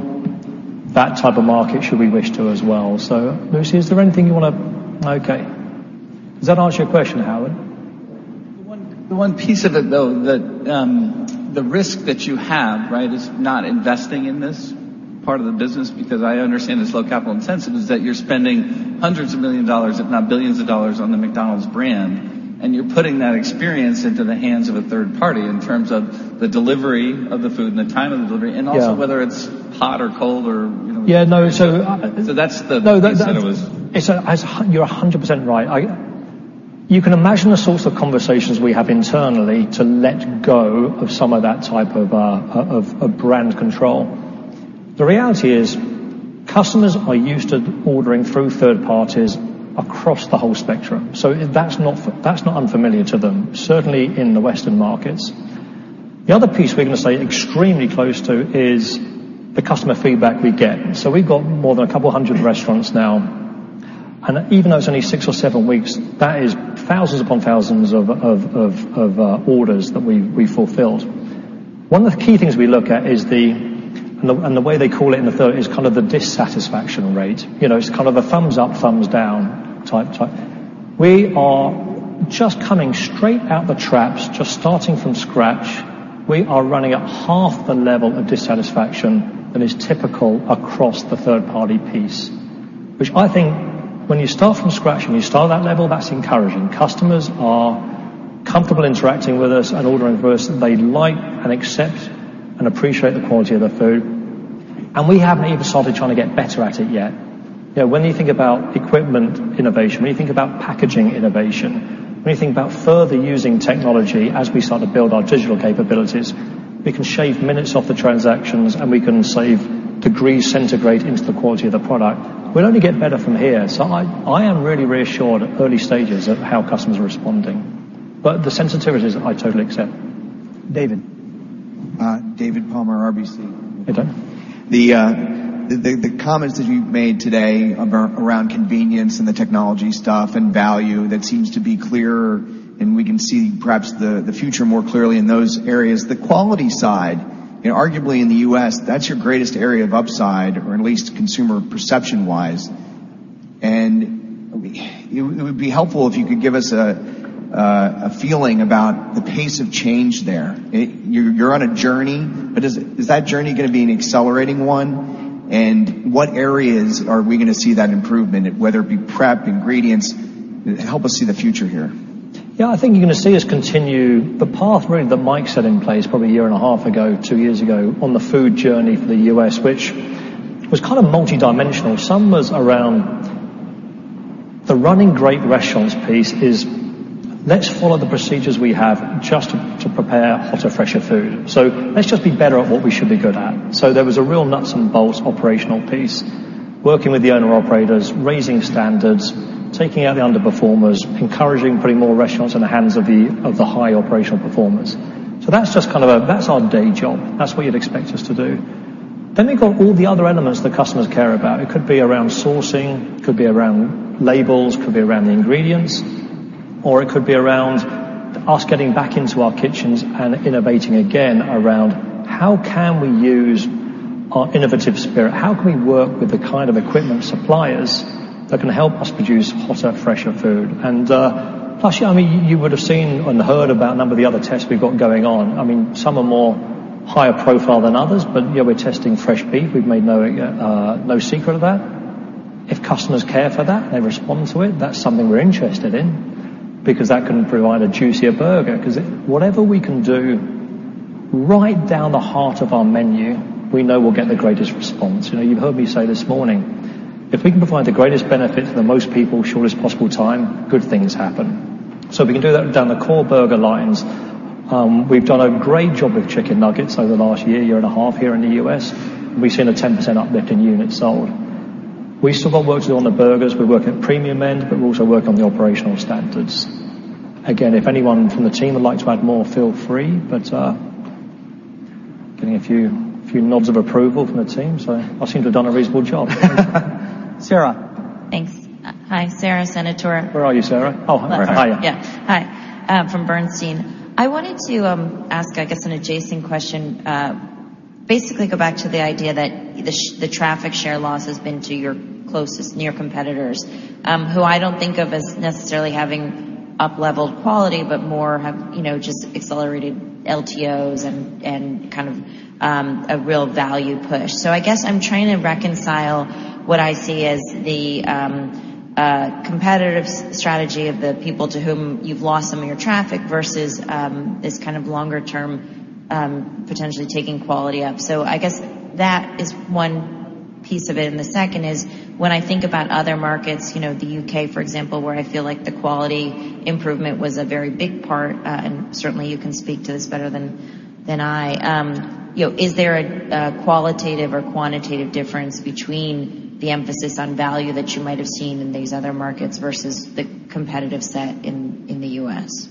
that type of market should we wish to as well. Lucy, is there anything you want to? Okay. Does that answer your question, Howard? The one piece of it, though, the risk that you have is not investing in this part of the business, because I understand it's low capital intensive, is that you're spending hundreds of million dollars, if not billions of dollars on the McDonald's brand. You're putting that experience into the hands of a third party in terms of the delivery of the food and the time of the delivery, and also whether it's hot or cold or. Yeah, no. That's the piece that it was. You're 100% right. You can imagine the sorts of conversations we have internally to let go of some of that type of brand control. The reality is, customers are used to ordering through third parties across the whole spectrum. That's not unfamiliar to them, certainly in the Western markets. The other piece we're going to stay extremely close to is the customer feedback we get. We've got more than a couple of hundred restaurants now, and even though it's only six or seven weeks, that is thousands upon thousands of orders that we fulfilled. One of the key things we look at, and the way they call it in the third, is the dissatisfaction rate. It's a thumbs up, thumbs down type. We are just coming straight out the traps, just starting from scratch. We are running at half the level of dissatisfaction that is typical across the third-party piece, which I think when you start from scratch and you start at that level, that's encouraging. Customers are comfortable interacting with us and ordering from us. They like and accept and appreciate the quality of the food. We haven't even started trying to get better at it yet. When you think about equipment innovation, when you think about packaging innovation, when you think about further using technology as we start to build our digital capabilities, we can shave minutes off the transactions and we can save degrees centigrade into the quality of the product. We'll only get better from here. I am really reassured early stages at how customers are responding. The sensitivities, I totally accept. David. David Palmer, RBC. Hey, David. The comments that you've made today around convenience and the technology stuff and value, that seems to be clearer and we can see perhaps the future more clearly in those areas. The quality side, arguably in the U.S., that's your greatest area of upside, or at least consumer perception wise, and it would be helpful if you could give us a feeling about the pace of change there. You're on a journey, but is that journey going to be an accelerating one? What areas are we going to see that improvement, whether it be prep, ingredients? Help us see the future here. Yeah, I think you're going to see us continue the path really that Mike set in place probably a year and a half ago, two years ago, on the food journey for the U.S., which was kind of multidimensional. Some was around the running great restaurants piece is let's follow the procedures we have just to prepare hotter, fresher food. Let's just be better at what we should be good at. There was a real nuts and bolts operational piece, working with the owner operators, raising standards, taking out the underperformers, encouraging putting more restaurants in the hands of the high operational performers. That's our day job. That's what you'd expect us to do. We've got all the other elements that customers care about. It could be around sourcing, could be around labels, could be around the ingredients, or it could be around us getting back into our kitchens and innovating again around how can we use our innovative spirit? How can we work with the kind of equipment suppliers that can help us produce hotter, fresher food? Plus, you would have seen and heard about a number of the other tests we've got going on. Some are more higher profile than others, but we're testing fresh beef. We've made no secret of that. If customers care for that, they respond to it, that's something we're interested in because that can provide a juicier burger. Whatever we can do right down the heart of our menu, we know we'll get the greatest response. You've heard me say this morning, if we can provide the greatest benefit for the most people in the shortest possible time, good things happen. If we can do that down the core burger lines, we've done a great job with Chicken McNuggets over the last year and a half here in the U.S., we've seen a 10% uplift in units sold. We've still got work to do on the burgers. We're working at the premium end, but we're also working on the operational standards. Again, if anyone from the team would like to add more, feel free. Getting a few nods of approval from the team, I seem to have done a reasonable job. Sara. Thanks. Hi, Sara Senatore. Where are you, Sara? Oh, hi. Yeah. Hi, from Bernstein. I wanted to ask, I guess, an adjacent question. Basically go back to the idea that the traffic share loss has been to your closest near competitors, who I don't think of as necessarily having up-leveled quality, but more have just accelerated LTOs and kind of a real value push. I guess I'm trying to reconcile what I see as the competitive strategy of the people to whom you've lost some of your traffic versus this kind of longer term, potentially taking quality up. I guess that is one piece of it. The second is, when I think about other markets, the U.K. for example, where I feel like the quality improvement was a very big part, and certainly you can speak to this better than I. Is there a qualitative or quantitative difference between the emphasis on value that you might have seen in these other markets versus the competitive set in the U.S.?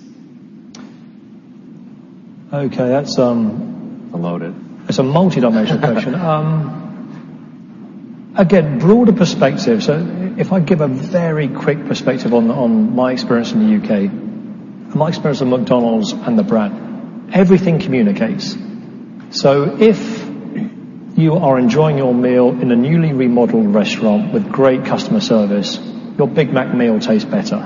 Okay. A loaded- It's a multidimensional question. Again, broader perspective. If I give a very quick perspective on my experience in the U.K., my experience with McDonald's and the brand. Everything communicates. If you are enjoying your meal in a newly remodeled restaurant with great customer service, your Big Mac meal tastes better.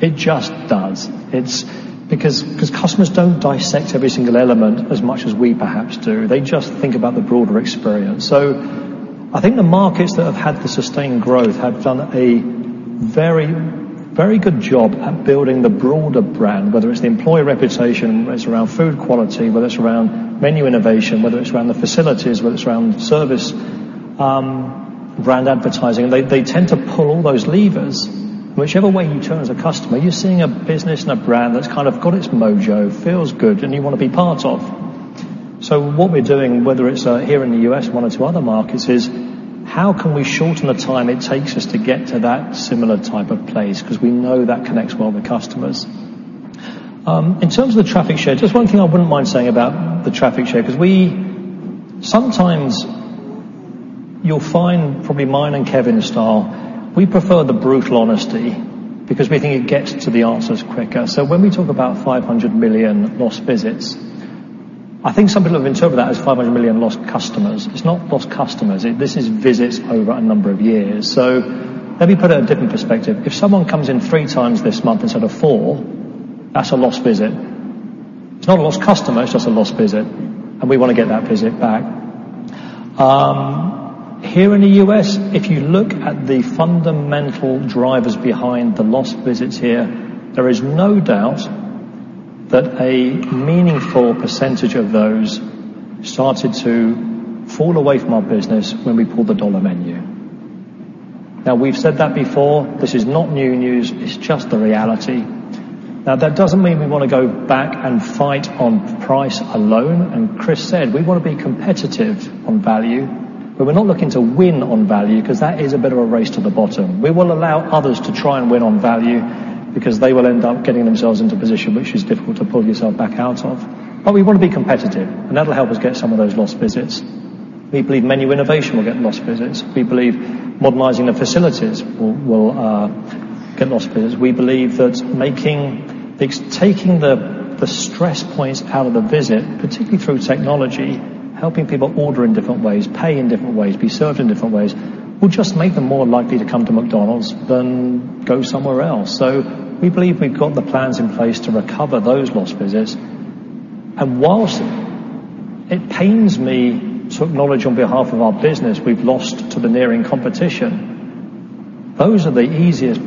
It just does. It's because customers don't dissect every single element as much as we perhaps do. They just think about the broader experience. I think the markets that have had the sustained growth have done a very good job at building the broader brand, whether it's the employee reputation, whether it's around food quality, whether it's around menu innovation, whether it's around the facilities, whether it's around service, brand advertising. They tend to pull all those levers. Whichever way you turn as a customer, you're seeing a business and a brand that's kind of got its mojo, feels good, and you want to be part of. What we're doing, whether it's here in the U.S., one or two other markets, is how can we shorten the time it takes us to get to that similar type of place? Because we know that connects well with customers. In terms of the traffic share, just one thing I wouldn't mind saying about the traffic share, because sometimes you'll find probably mine and Kevin's style, we prefer the brutal honesty because we think it gets to the answers quicker. When we talk about 500 million lost visits, I think some people have interpreted that as 500 million lost customers. It's not lost customers. This is visits over a number of years. Let me put it in a different perspective. If someone comes in three times this month instead of four, that's a lost visit. It's not a lost customer, it's just a lost visit, and we want to get that visit back. Here in the U.S., if you look at the fundamental drivers behind the lost visits here, there is no doubt that a meaningful percentage of those started to fall away from our business when we pulled the Dollar Menu. We've said that before. This is not new news. It's just the reality. That doesn't mean we want to go back and fight on price alone. Chris said, we want to be competitive on value, but we're not looking to win on value because that is a bit of a race to the bottom. We will allow others to try and win on value because they will end up getting themselves into a position which is difficult to pull yourself back out of. We want to be competitive, and that'll help us get some of those lost visits. We believe menu innovation will get lost visits. We believe modernizing the facilities will get lost visits. We believe that taking the stress points out of the visit, particularly through technology, helping people order in different ways, pay in different ways, be served in different ways, will just make them more likely to come to McDonald's than go somewhere else. We believe we've got the plans in place to recover those lost visits. Whilst it pains me to acknowledge on behalf of our business we've lost to the nearing competition, those are the easiest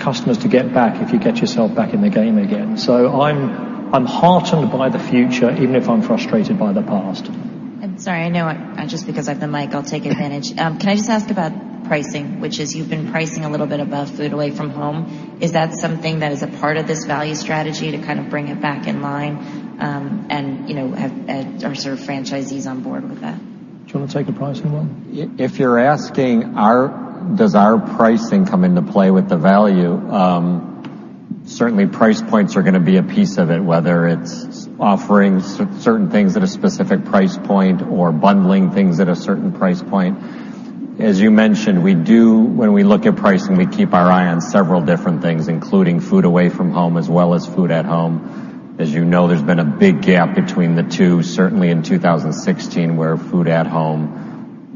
customers to get back if you get yourself back in the game again. I'm heartened by the future, even if I'm frustrated by the past. I'm sorry. I know, just because I have the mic, I'll take advantage. Can I just ask about pricing, which is you've been pricing a little bit above food away from home. Is that something that is a part of this value strategy to kind of bring it back in line? Are franchisees on board with that? Do you want to take the pricing one? If you're asking does our pricing come into play with the value, certainly price points are going to be a piece of it, whether it's offering certain things at a specific price point or bundling things at a certain price point. As you mentioned, when we look at pricing, we keep our eye on several different things, including food away from home as well as food at home. As you know, there's been a big gap between the two, certainly in 2016, where food at home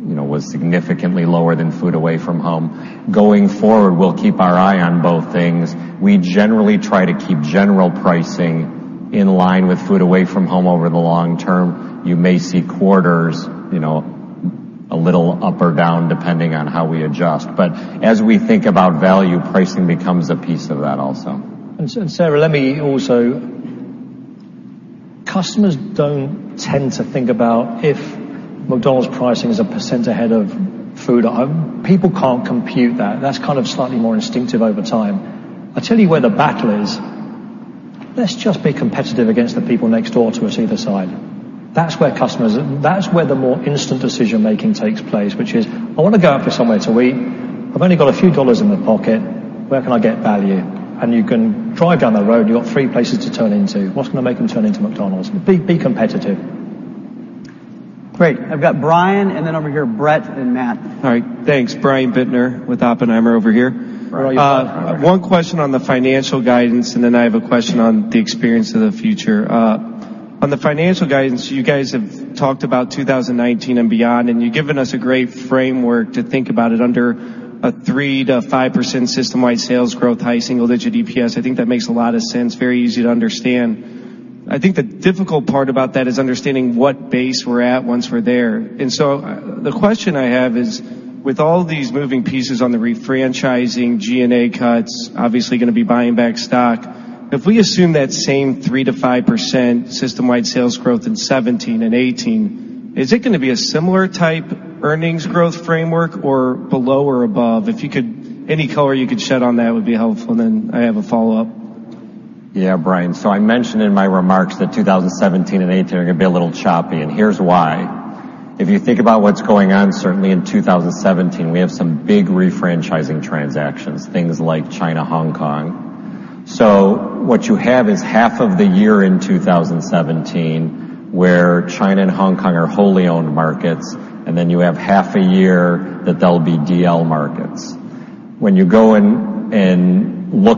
was significantly lower than food away from home. Going forward, we'll keep our eye on both things. We generally try to keep general pricing in line with food away from home over the long term. You may see quarters a little up or down depending on how we adjust. As we think about value, pricing becomes a piece of that also. Sara, customers don't tend to think about if McDonald's pricing is a percent ahead of food at home. People can't compute that. That's kind of slightly more instinctive over time. I'll tell you where the battle is. Let's just be competitive against the people next door to us either side. That's where the more instant decision-making takes place, which is, I want to go out for somewhere to eat. I've only got a few dollars in my pocket. Where can I get value? You can drive down the road, and you've got three places to turn into. What's going to make them turn into McDonald's? Be competitive. Great. I've got Brian, then over here, Brett and Matt. All right. Thanks. Brian Bittner with Oppenheimer over here. Brian, One question on the financial guidance. I have a question on the Experience of the Future. On the financial guidance, you guys have talked about 2019 and beyond. You've given us a great framework to think about it under a 3%-5% system-wide sales growth, high single-digit EPS. I think that makes a lot of sense, very easy to understand. I think the difficult part about that is understanding what base we're at once we're there. The question I have is, with all these moving pieces on the refranchising, G&A cuts, obviously going to be buying back stock, if we assume that same 3%-5% system-wide sales growth in 2017 and 2018, is it going to be a similar type earnings growth framework or below or above? Any color you could shed on that would be helpful. I have a follow-up. Yeah, Brian. I mentioned in my remarks that 2017 and 2018 are going to be a little choppy. Here's why. If you think about what's going on, certainly in 2017, we have some big refranchising transactions, things like China, Hong Kong. What you have is half of the year in 2017 where China and Hong Kong are wholly owned markets. Then you have half a year that they'll be DL markets. When you go in and look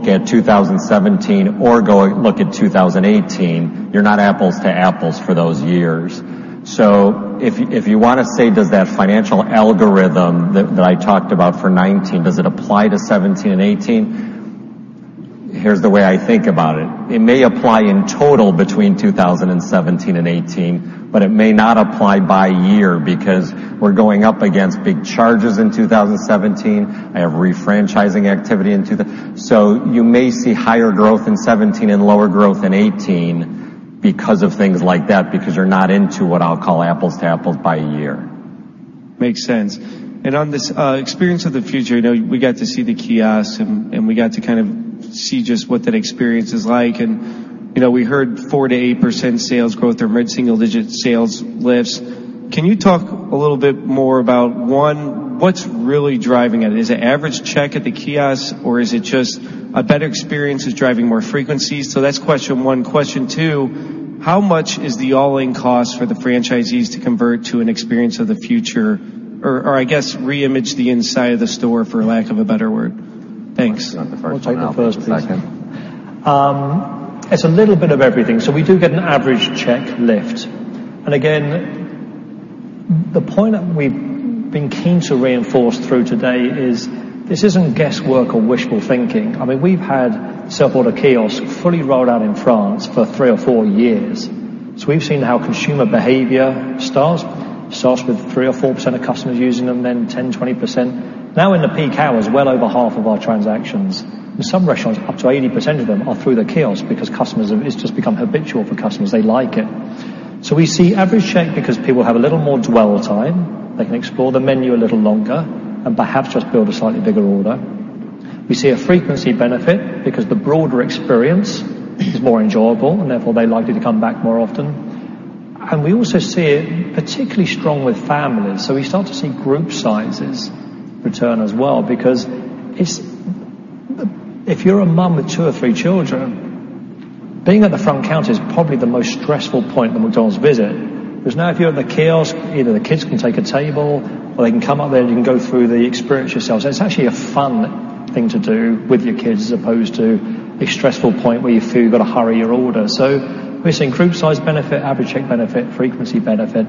at 2017 or go look at 2018, you're not apples to apples for those years. If you want to say, does that financial algorithm that I talked about for 2019, does it apply to 2017 and 2018? Here's the way I think about it. It may apply in total between 2017 and 2018. It may not apply by year because we're going up against big charges in 2017. I have refranchising activity. You may see higher growth in 2017 and lower growth in 2018 because of things like that, because you're not into what I'll call apples to apples by year. Makes sense. On this Experience of the Future, we got to see the kiosks and we got to see just what that experience is like. We heard 4%-8% sales growth or mid-single digit sales lifts. Can you talk a little bit more about, one, what's really driving it? Is it average check at the kiosk, or is it just a better experience is driving more frequency? That's question one. Question two, how much is the all-in cost for the franchisees to convert to an Experience of the Future, or I guess, reimage the inside of the store, for lack of a better word? Thanks. Why don't you take the first We'll take the first I'll take the second. It's a little bit of everything. We do get an average check lift. Again, the point that we've been keen to reinforce through today is this isn't guesswork or wishful thinking. We've had self-order kiosks fully rolled out in France for 3 or 4 years. We've seen how consumer behavior starts. It starts with 3% or 4% of customers using them, then 10%, 20%. Now in the peak hours, well over half of our transactions, in some restaurants, up to 80% of them are through the kiosk because it's just become habitual for customers. They like it. We see average check because people have a little more dwell time. They can explore the menu a little longer and perhaps just build a slightly bigger order. We see a frequency benefit because the broader experience is more enjoyable and therefore they're likely to come back more often. We also see it particularly strong with families. We start to see group sizes return as well because if you're a mum with two or three children, being at the front counter is probably the most stressful point in the McDonald's visit. Whereas now if you're at the kiosk, either the kids can take a table or they can come up there and you can go through the experience yourselves. It's actually a fun thing to do with your kids as opposed to a stressful point where you feel you've got to hurry your order. We're seeing group size benefit, average check benefit, frequency benefit.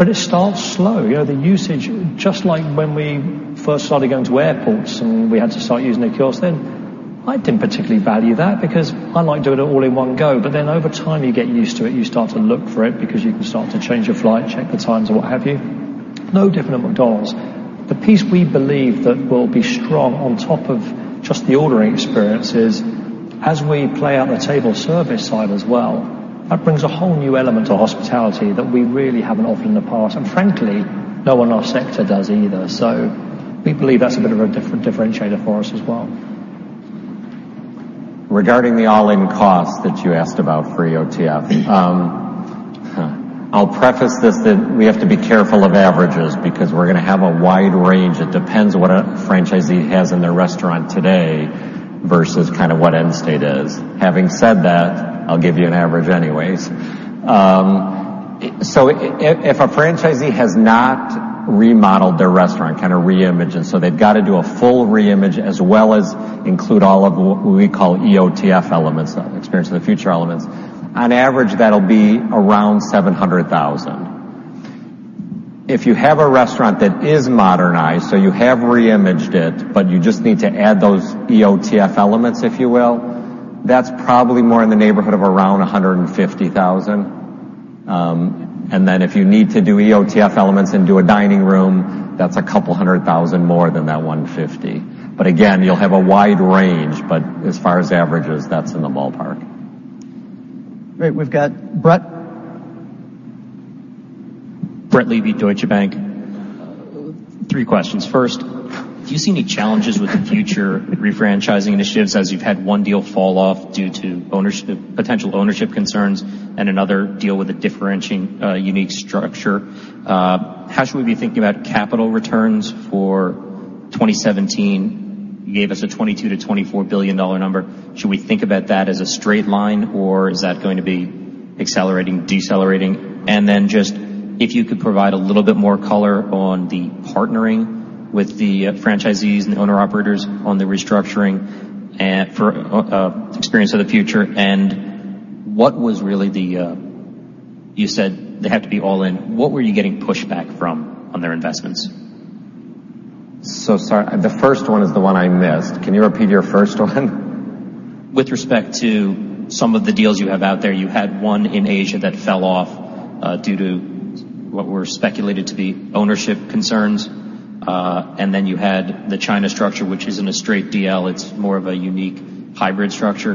It starts slow. The usage, just like when we first started going to airports and we had to start using a kiosk then, I didn't particularly value that because I like doing it all in one go. Over time, you get used to it. You start to look for it because you can start to change your flight, check the times, or what have you. No different at McDonald's. The piece we believe that will be strong on top of just the ordering experience is as we play out the table service side as well, that brings a whole new element of hospitality that we really haven't offered in the past. Frankly, no one in our sector does either. We believe that's a bit of a differentiator for us as well. Regarding the all-in cost that you asked about for EOTF, I'll preface this that we have to be careful of averages because we're going to have a wide range. It depends what a franchisee has in their restaurant today versus what end state is. Having said that, I'll give you an average anyways. If a franchisee has not remodeled their restaurant, kind of re-imaged, they've got to do a full re-image as well as include all of what we call EOTF elements, Experience of the Future elements, on average, that'll be around $700,000. If you have a restaurant that is modernized, you have re-imaged it, but you just need to add those EOTF elements, if you will, that's probably more in the neighborhood of around $150,000. If you need to do EOTF elements into a dining room, that's a couple hundred thousand dollars more than that $150. Again, you'll have a wide range, but as far as averages, that's in the ballpark. Great. We've got Brett. Brett Levy, Deutsche Bank. Three questions. First, do you see any challenges with the future refranchising initiatives as you've had one deal fall off due to potential ownership concerns and another deal with a differentiating unique structure? How should we be thinking about capital returns for 2017? You gave us a $22 billion-$24 billion number. Should we think about that as a straight line, or is that going to be accelerating, decelerating? Just if you could provide a little bit more color on the partnering with the franchisees and the owner operators on the restructuring for Experience of the Future, and what was really You said they have to be all in. What were you getting pushback from on their investments? Sorry. The first one is the one I missed. Can you repeat your first one? With respect to some of the deals you have out there, you had one in Asia that fell off due to what were speculated to be ownership concerns. Then you had the China structure, which isn't a straight DL, it's more of a unique hybrid structure.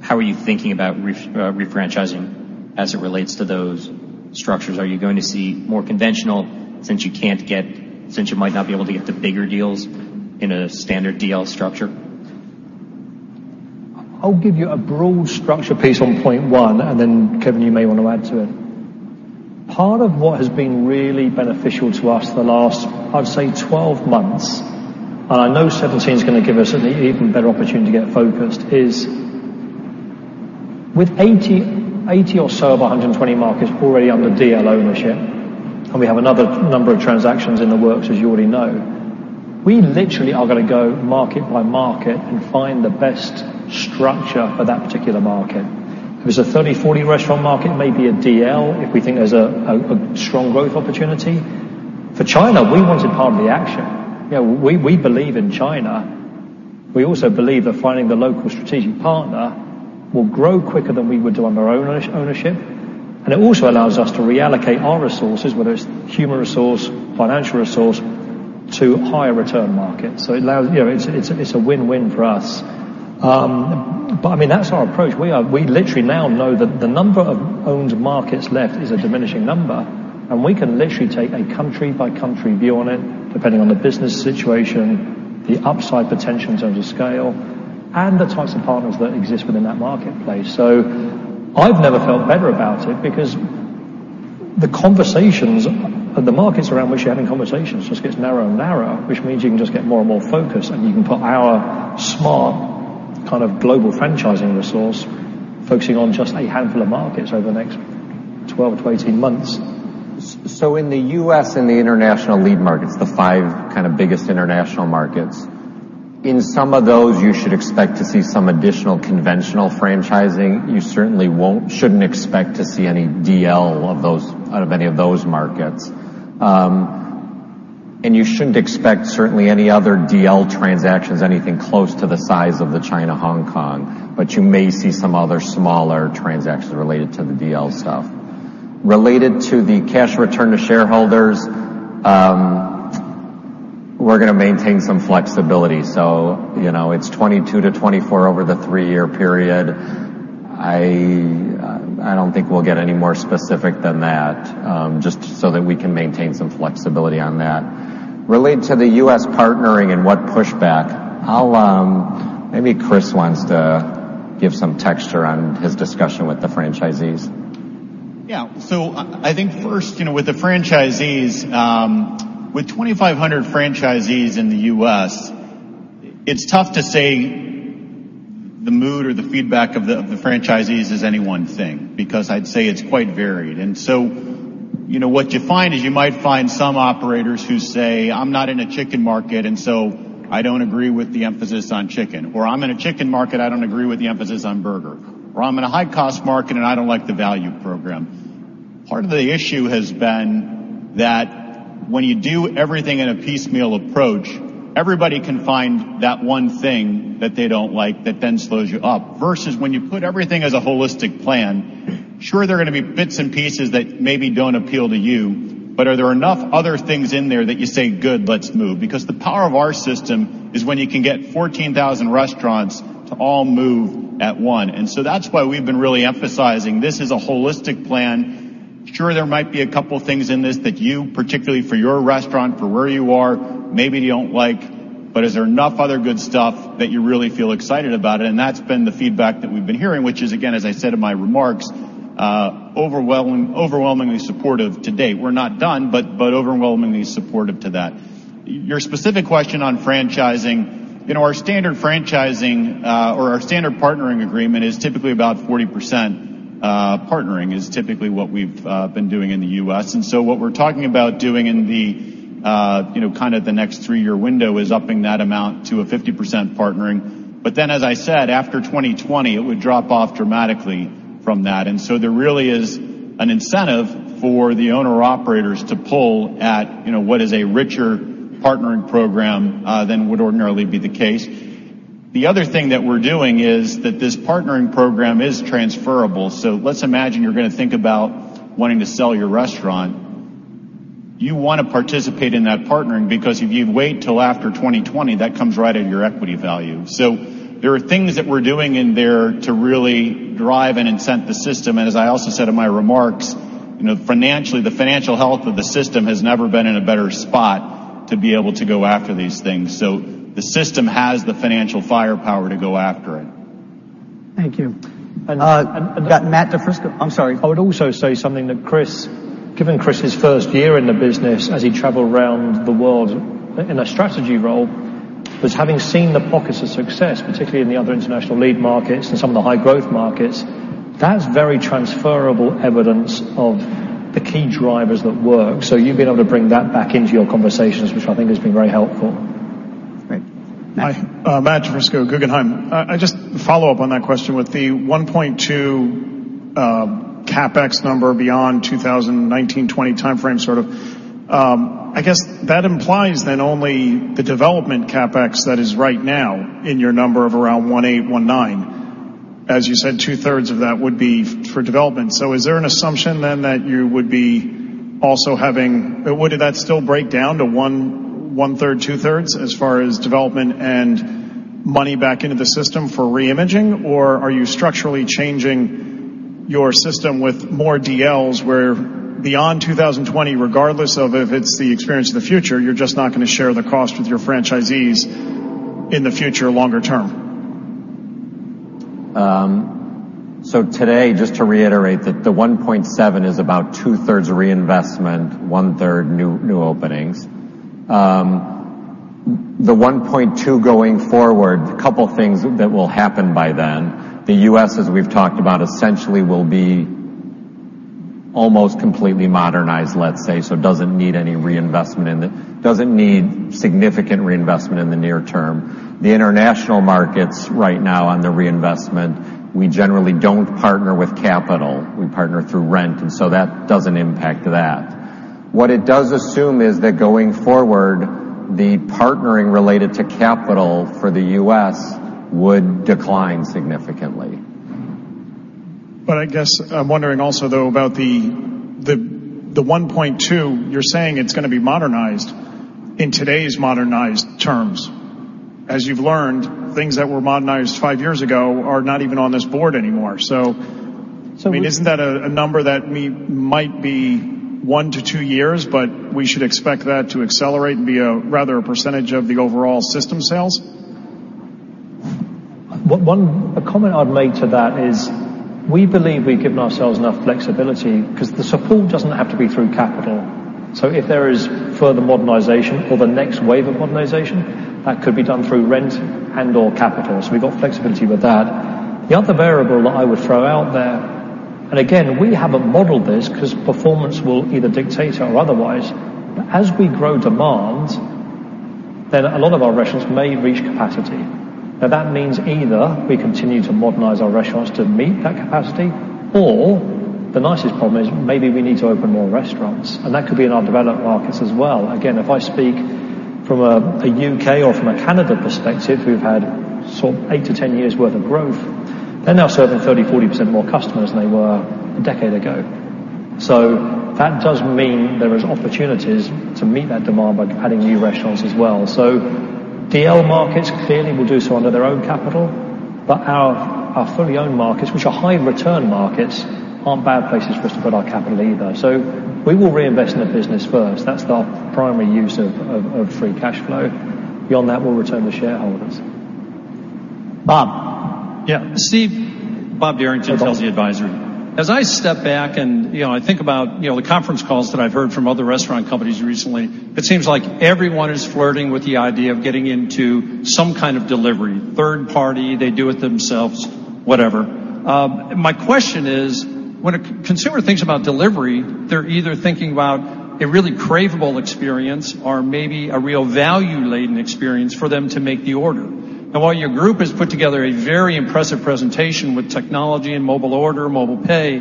How are you thinking about refranchising as it relates to those structures? Are you going to see more conventional since you might not be able to get the bigger deals in a standard DL structure? I'll give you a broad structure piece on point 1. Then Kevin, you may want to add to it. Part of what has been really beneficial to us the last, I'd say 12 months, and I know 2017 is going to give us an even better opportunity to get focused, is with 80 or so of 120 markets already under DL ownership, and we have another number of transactions in the works, as you already know, we literally are going to go market by market and find the best structure for that particular market. If it's a 30, 40 restaurant market, maybe a DL, if we think there's a strong growth opportunity. For China, we wanted part of the action. We believe in China. We also believe that finding the local strategic partner will grow quicker than we would do under our own ownership. It also allows us to reallocate our resources, whether it's human resource, financial resource, to higher return markets. It's a win-win for us. I mean, that's our approach. We literally now know that the number of owned markets left is a diminishing number, and we can literally take a country-by-country view on it, depending on the business situation, the upside potential in terms of scale, and the types of partners that exist within that marketplace. I've never felt better about it because the conversations or the markets around which you're having conversations just gets narrower and narrower, which means you can just get more and more focused, and you can put our smart global franchising resource focusing on just a handful of markets over the next 12 to 18 months. In the U.S. and the international lead markets, the 5 biggest international markets, in some of those, you should expect to see some additional conventional franchising. You certainly shouldn't expect to see any DL out of any of those markets. You shouldn't expect certainly any other DL transactions, anything close to the size of the China/Hong Kong. But you may see some other smaller transactions related to the DL stuff. Related to the cash return to shareholders, we're going to maintain some flexibility. It's 22 to 24 over the three-year period. I don't think we'll get any more specific than that, just so that we can maintain some flexibility on that. Related to the U.S. partnering and what pushback, maybe Chris wants to give some texture on his discussion with the franchisees. Yeah. I think first, with the franchisees, with 2,500 franchisees in the U.S., it's tough to say the mood or the feedback of the franchisees is any one thing because I'd say it's quite varied. What you find is you might find some operators who say, "I'm not in a chicken market, I don't agree with the emphasis on chicken," "I'm in a chicken market, I don't agree with the emphasis on burger," "I'm in a high-cost market and I don't like the value program." Part of the issue has been that when you do everything in a piecemeal approach, everybody can find that one thing that they don't like that slows you up, versus when you put everything as a holistic plan, sure, there are going to be bits and pieces that maybe don't appeal to you, but are there enough other things in there that you say, "Good, let's move." Because the power of our system is when you can get 14,000 restaurants to all move at one. That's why we've been really emphasizing this is a holistic plan. Sure, there might be a couple things in this that you, particularly for your restaurant, for where you are, maybe don't like, but is there enough other good stuff that you really feel excited about it? That's been the feedback that we've been hearing, which is again, as I said in my remarks, overwhelmingly supportive to date. We're not done, but overwhelmingly supportive to that. Your specific question on franchising, our standard franchising, or our standard partnering agreement is typically about 40% partnering, is typically what we've been doing in the U.S. What we're talking about doing in the next three-year window is upping that amount to a 50% partnering. As I said, after 2020, it would drop off dramatically from that. There really is an incentive for the owner operators to pull at what is a richer partnering program than would ordinarily be the case. The other thing that we're doing is that this partnering program is transferable. Let's imagine you're going to think about wanting to sell your restaurant. You want to participate in that partnering because if you wait till after 2020, that comes right out of your equity value. There are things that we're doing in there to really drive and incent the system, and as I also said in my remarks, financially, the financial health of the system has never been in a better spot to be able to go after these things. The system has the financial firepower to go after it. Thank you. I've got Matthew DiFrisco. I'm sorry. I would also say something that Chris, given Chris' first year in the business as he traveled around the world in a strategy role, was having seen the pockets of success, particularly in the other international lead markets and some of the high growth markets. That's very transferable evidence of the key drivers that work. You've been able to bring that back into your conversations, which I think has been very helpful. Great. Matt? Matthew DiFrisco, Guggenheim. Just follow up on that question with the $1.2 CapEx number beyond 2019, 2020 timeframe. That implies then only the development CapEx that is right now in your number of around $1.8, $1.9. As you said, two-thirds of that would be for development. Is there an assumption then that would that still break down to one-third, two-thirds, as far as development and money back into the system for re-imaging? Are you structurally changing your system with more DLs where beyond 2020, regardless of if it's the Experience of the Future, you're just not going to share the cost with your franchisees in the future longer term? Today, just to reiterate that the $1.7 is about two-thirds reinvestment, one-third new openings. The $1.2 going forward, couple things that will happen by then. The U.S., as we've talked about, essentially will be almost completely modernized, let's say. It doesn't need significant reinvestment in the near term. The international markets right now on the reinvestment, we generally don't partner with capital, we partner through rent. That doesn't impact that. What it does assume is that going forward, the partnering related to capital for the U.S. would decline significantly. I guess I'm wondering also, though, about the $1.2, you're saying it's going to be modernized in today's modernized terms. As you've learned, things that were modernized five years ago are not even on this board anymore. So we- Isn't that a number that might be 1 to 2 years, but we should expect that to accelerate and be rather a percentage of the overall system sales? A comment I'd make to that is we believe we've given ourselves enough flexibility because the support doesn't have to be through capital. If there is further modernization or the next wave of modernization, that could be done through rent and/or capital. We've got flexibility with that. The other variable that I would throw out there, and again, we haven't modeled this because performance will either dictate or otherwise, but as we grow demand, then a lot of our restaurants may reach capacity. Now, that means either we continue to modernize our restaurants to meet that capacity, or the nicest problem is maybe we need to open more restaurants, and that could be in our developed markets as well. Again, if I speak from a U.K. or from a Canada perspective, we've had 8 to 10 years worth of growth. They're now serving 30%, 40% more customers than they were a decade ago. That does mean there is opportunities to meet that demand by adding new restaurants as well. DL markets clearly will do so under their own capital. Our fully owned markets, which are high return markets, aren't bad places for us to put our capital either. We will reinvest in the business first. That's our primary use of free cash flow. Beyond that, we'll return to shareholders. Bob. Yeah. Steve. Bob Derrington, Telsey Advisory. As I step back and I think about the conference calls that I've heard from other restaurant companies recently, it seems like everyone is flirting with the idea of getting into some kind of third-party delivery. They do it themselves, whatever. My question is, when a consumer thinks about delivery, they're either thinking about a really craveable experience or maybe a real value-laden experience for them to make the order. Now, while your group has put together a very impressive presentation with technology and mobile order, mobile pay,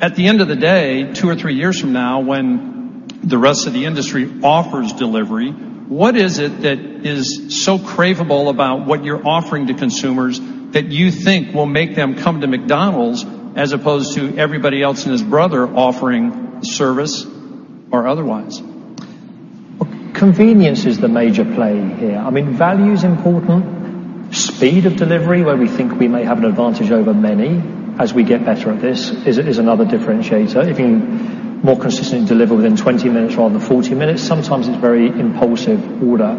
at the end of the day, 2 or 3 years from now, when the rest of the industry offers delivery, what is it that is so craveable about what you're offering to consumers that you think will make them come to McDonald's as opposed to everybody else and his brother offering service or otherwise? Convenience is the major play here. Value is important. Speed of delivery, where we think we may have an advantage over many as we get better at this, is another differentiator. If you more consistently deliver within 20 minutes rather than 40 minutes, sometimes it's a very impulsive order.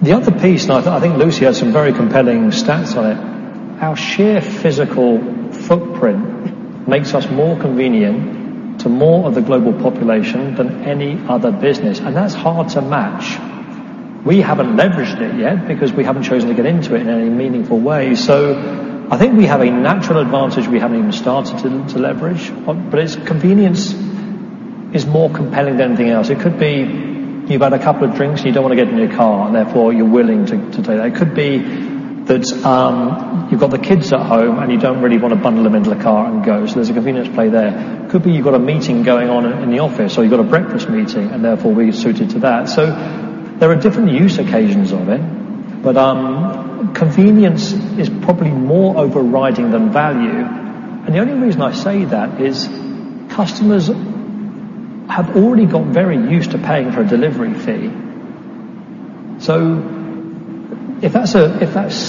The other piece, and I think Lucy had some very compelling stats on it, our sheer physical footprint makes us more convenient to more of the global population than any other business, and that's hard to match. We haven't leveraged it yet because we haven't chosen to get into it in any meaningful way. I think we have a natural advantage we haven't even started to leverage. Its convenience is more compelling than anything else. It could be you've had a couple of drinks and you don't want to get in your car, and therefore you're willing to take that. It could be that you've got the kids at home, and you don't really want to bundle them into the car and go. There's a convenience play there. Could be you've got a meeting going on in the office, or you've got a breakfast meeting, and therefore we're suited to that. There are different use occasions of it, but convenience is probably more overriding than value. The only reason I say that is customers have already got very used to paying for a delivery fee. If that's,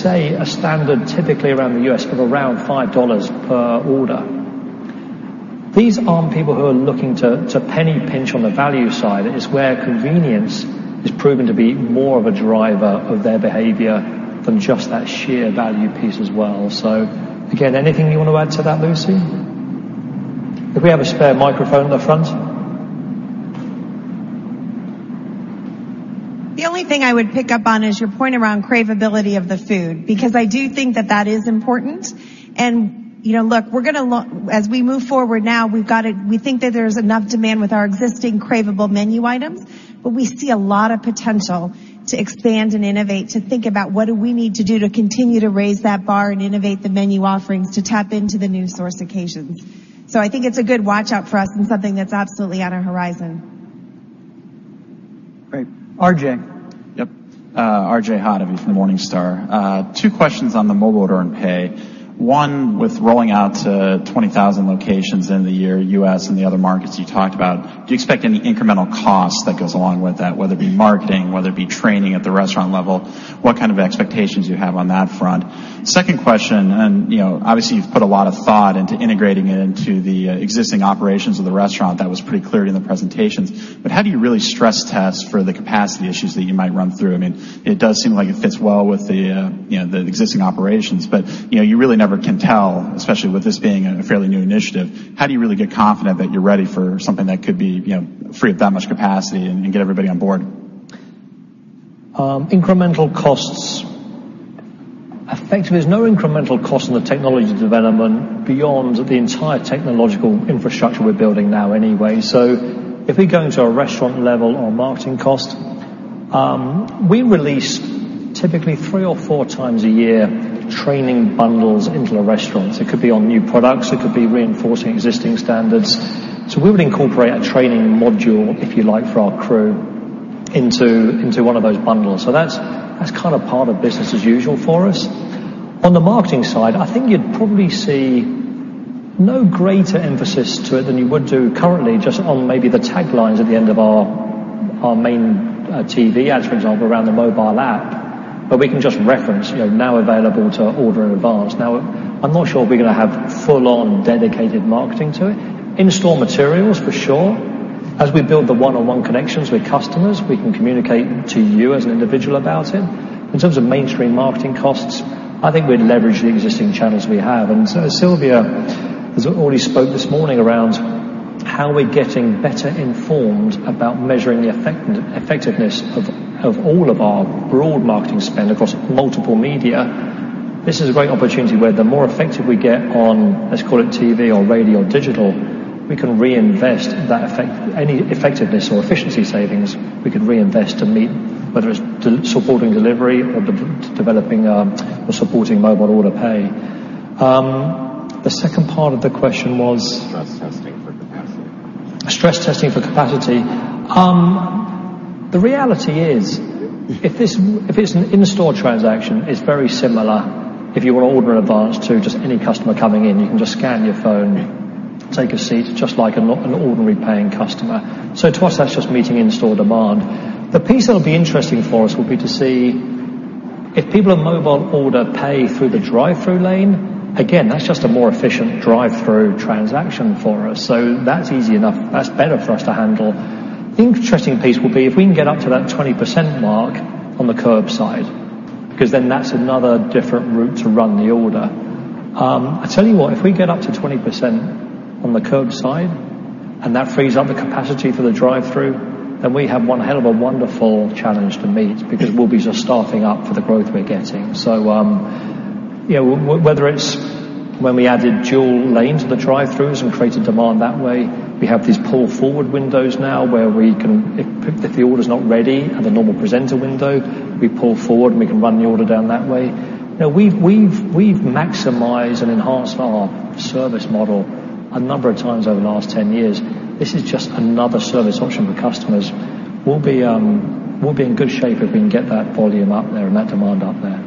say, a standard typically around the U.S. of around $5 per order, these aren't people who are looking to penny pinch on the value side. It is where convenience is proven to be more of a driver of their behavior than just that sheer value piece as well. Again, anything you want to add to that, Lucy? If we have a spare microphone at the front. The only thing I would pick up on is your point around craveability of the food, because I do think that that is important. Look, as we move forward now, we think that there's enough demand with our existing craveable menu items, but we see a lot of potential to expand and innovate, to think about what do we need to do to continue to raise that bar and innovate the menu offerings to tap into the new source occasions. I think it's a good watch-out for us and something that's absolutely on our horizon. Great. RJ? Yep. R.J. Hottovy from Morningstar. Two questions on the mobile order and pay. One, with rolling out to 20,000 locations in the year, U.S. and the other markets you talked about, do you expect any incremental cost that goes along with that, whether it be marketing, whether it be training at the restaurant level? What kind of expectations do you have on that front? Second question, you've put a lot of thought into integrating it into the existing operations of the restaurant. That was pretty clear in the presentations. How do you really stress test for the capacity issues that you might run through? It does seem like it fits well with the existing operations. You really never can tell, especially with this being a fairly new initiative. How do you really get confident that you're ready for something that could free up that much capacity and get everybody on board? Incremental costs. I think there's no incremental cost on the technology development beyond the entire technological infrastructure we're building now anyway. If we go into our restaurant level on marketing cost, we release typically three or four times a year training bundles into the restaurants. It could be on new products, it could be reinforcing existing standards. We would incorporate a training module, if you like, for our crew into one of those bundles. That's kind of part of business as usual for us. On the marketing side, I think you'd probably see no greater emphasis to it than you would do currently, just on maybe the taglines at the end of our main TV ads, for example, around the mobile app, where we can just reference, now available to order in advance. I'm not sure if we're going to have full-on dedicated marketing to it. In-store materials, for sure. As we build the one-on-one connections with customers, we can communicate to you as an individual about it. In terms of mainstream marketing costs, I think we'd leverage the existing channels we have. As Silvia has already spoken this morning around how we're getting better informed about measuring the effectiveness of all of our broad marketing spend across multiple media, this is a great opportunity where the more effective we get on, let's call it TV or radio or digital, we can reinvest any effectiveness or efficiency savings, we can reinvest to meet, whether it's supporting delivery or developing or supporting mobile order pay. The second part of the question was? Stress testing for capacity. Stress testing for capacity. The reality is, if it's an in-store transaction, it's very similar if you were to order in advance to just any customer coming in. You can just scan your phone, take a seat, just like an ordinary paying customer. To us, that's just meeting in-store demand. The piece that'll be interesting for us will be to see if people on mobile order pay through the drive-thru lane. Again, that's just a more efficient drive-thru transaction for us. That's easy enough. That's better for us to handle. The interesting piece will be if we can get up to that 20% mark on the curb side, because then that's another different route to run the order. I tell you what, if we get up to 20% on the curb side and that frees up the capacity for the drive-thru, then we have one hell of a wonderful challenge to meet because we'll be staffing up for the growth we're getting. Whether it's when we added dual lanes to the drive-thrus and created demand that way, we have these pull forward windows now where if the order's not ready at the normal presenter window, we pull forward, and we can run the order down that way. We've maximized and enhanced our service model a number of times over the last 10 years. This is just another service option for customers. We'll be in good shape if we can get that volume up there and that demand up there.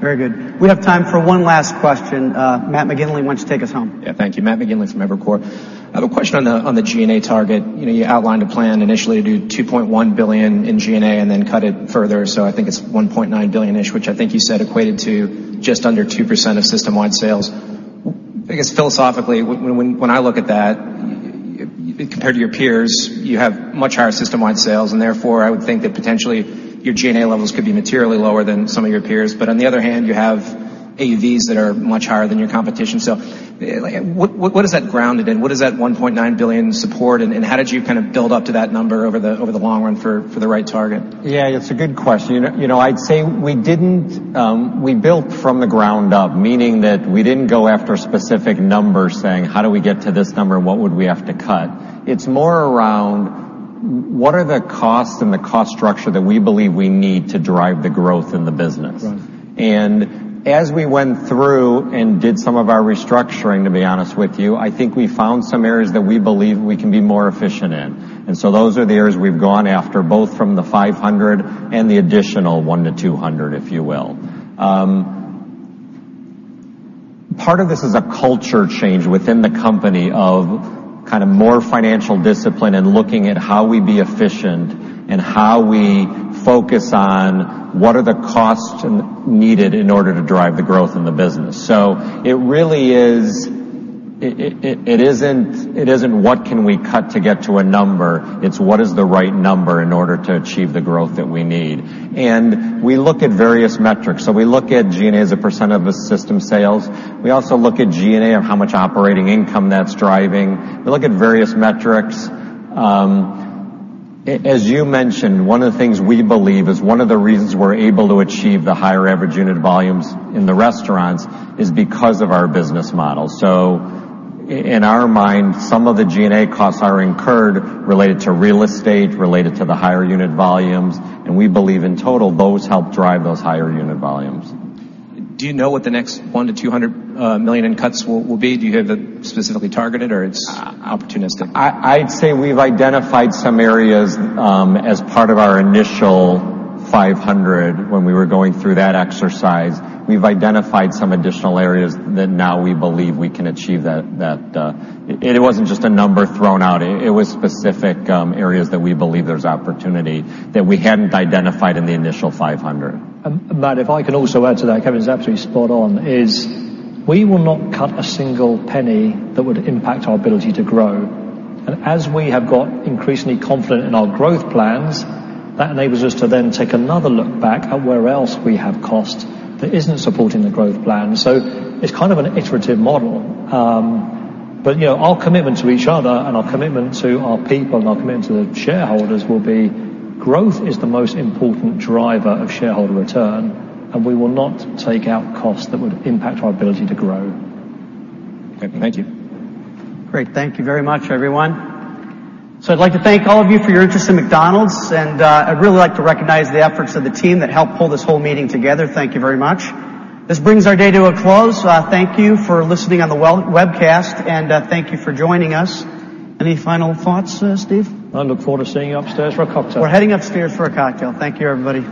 Very good. We have time for one last question. Matt McGinley, why don't you take us home? Yeah, thank you. Matt McGinley from Evercore. I have a question on the G&A target. You outlined a plan initially to do $2.1 billion in G&A and then cut it further. I think it's $1.9 billion-ish, which I think you said equated to just under 2% of system-wide sales. I guess philosophically, when I look at that, compared to your peers, you have much higher system-wide sales, therefore, I would think that potentially your G&A levels could be materially lower than some of your peers. On the other hand, you have AUVs that are much higher than your competition. What is that grounded in? What does that $1.9 billion support, and how did you build up to that number over the long run for the right target? Yeah, it's a good question. I'd say we built from the ground up, meaning that we didn't go after specific numbers saying, "How do we get to this number? What would we have to cut?" It's more around what are the costs and the cost structure that we believe we need to drive the growth in the business? Right. As we went through and did some of our restructuring, to be honest with you, I think we found some areas that we believe we can be more efficient in. Those are the areas we've gone after, both from the $500 and the additional $100-$200, if you will. Part of this is a culture change within the company of more financial discipline and looking at how we be efficient and how we focus on what are the costs needed in order to drive the growth in the business. It isn't what can we cut to get to a number, it's what is the right number in order to achieve the growth that we need. We look at various metrics. We look at G&A as a % of the system sales. We also look at G&A of how much operating income that's driving. We look at various metrics. As you mentioned, one of the things we believe is one of the reasons we're able to achieve the higher average unit volumes in the restaurants is because of our business model. In our mind, some of the G&A costs are incurred related to real estate, related to the higher unit volumes, and we believe in total, those help drive those higher unit volumes. Do you know what the next $100 million to $200 million in cuts will be? Do you have it specifically targeted, or it's opportunistic? I'd say we've identified some areas as part of our initial 500 when we were going through that exercise. We've identified some additional areas that now we believe we can achieve that. It wasn't just a number thrown out. It was specific areas that we believe there's opportunity that we hadn't identified in the initial 500. Matt, if I can also add to that, Kevin's absolutely spot on, is we will not cut a single penny that would impact our ability to grow. As we have got increasingly confident in our growth plans, that enables us to then take another look back at where else we have cost that isn't supporting the growth plan. It's kind of an iterative model. Our commitment to each other and our commitment to our people and our commitment to the shareholders will be growth is the most important driver of shareholder return, and we will not take out costs that would impact our ability to grow. Okay. Thank you. Great. Thank you very much, everyone. I'd like to thank all of you for your interest in McDonald's, and I'd really like to recognize the efforts of the team that helped pull this whole meeting together. Thank you very much. This brings our day to a close. Thank you for listening on the webcast, and thank you for joining us. Any final thoughts, Steve? I look forward to seeing you upstairs for a cocktail. We're heading upstairs for a cocktail. Thank you, everybody.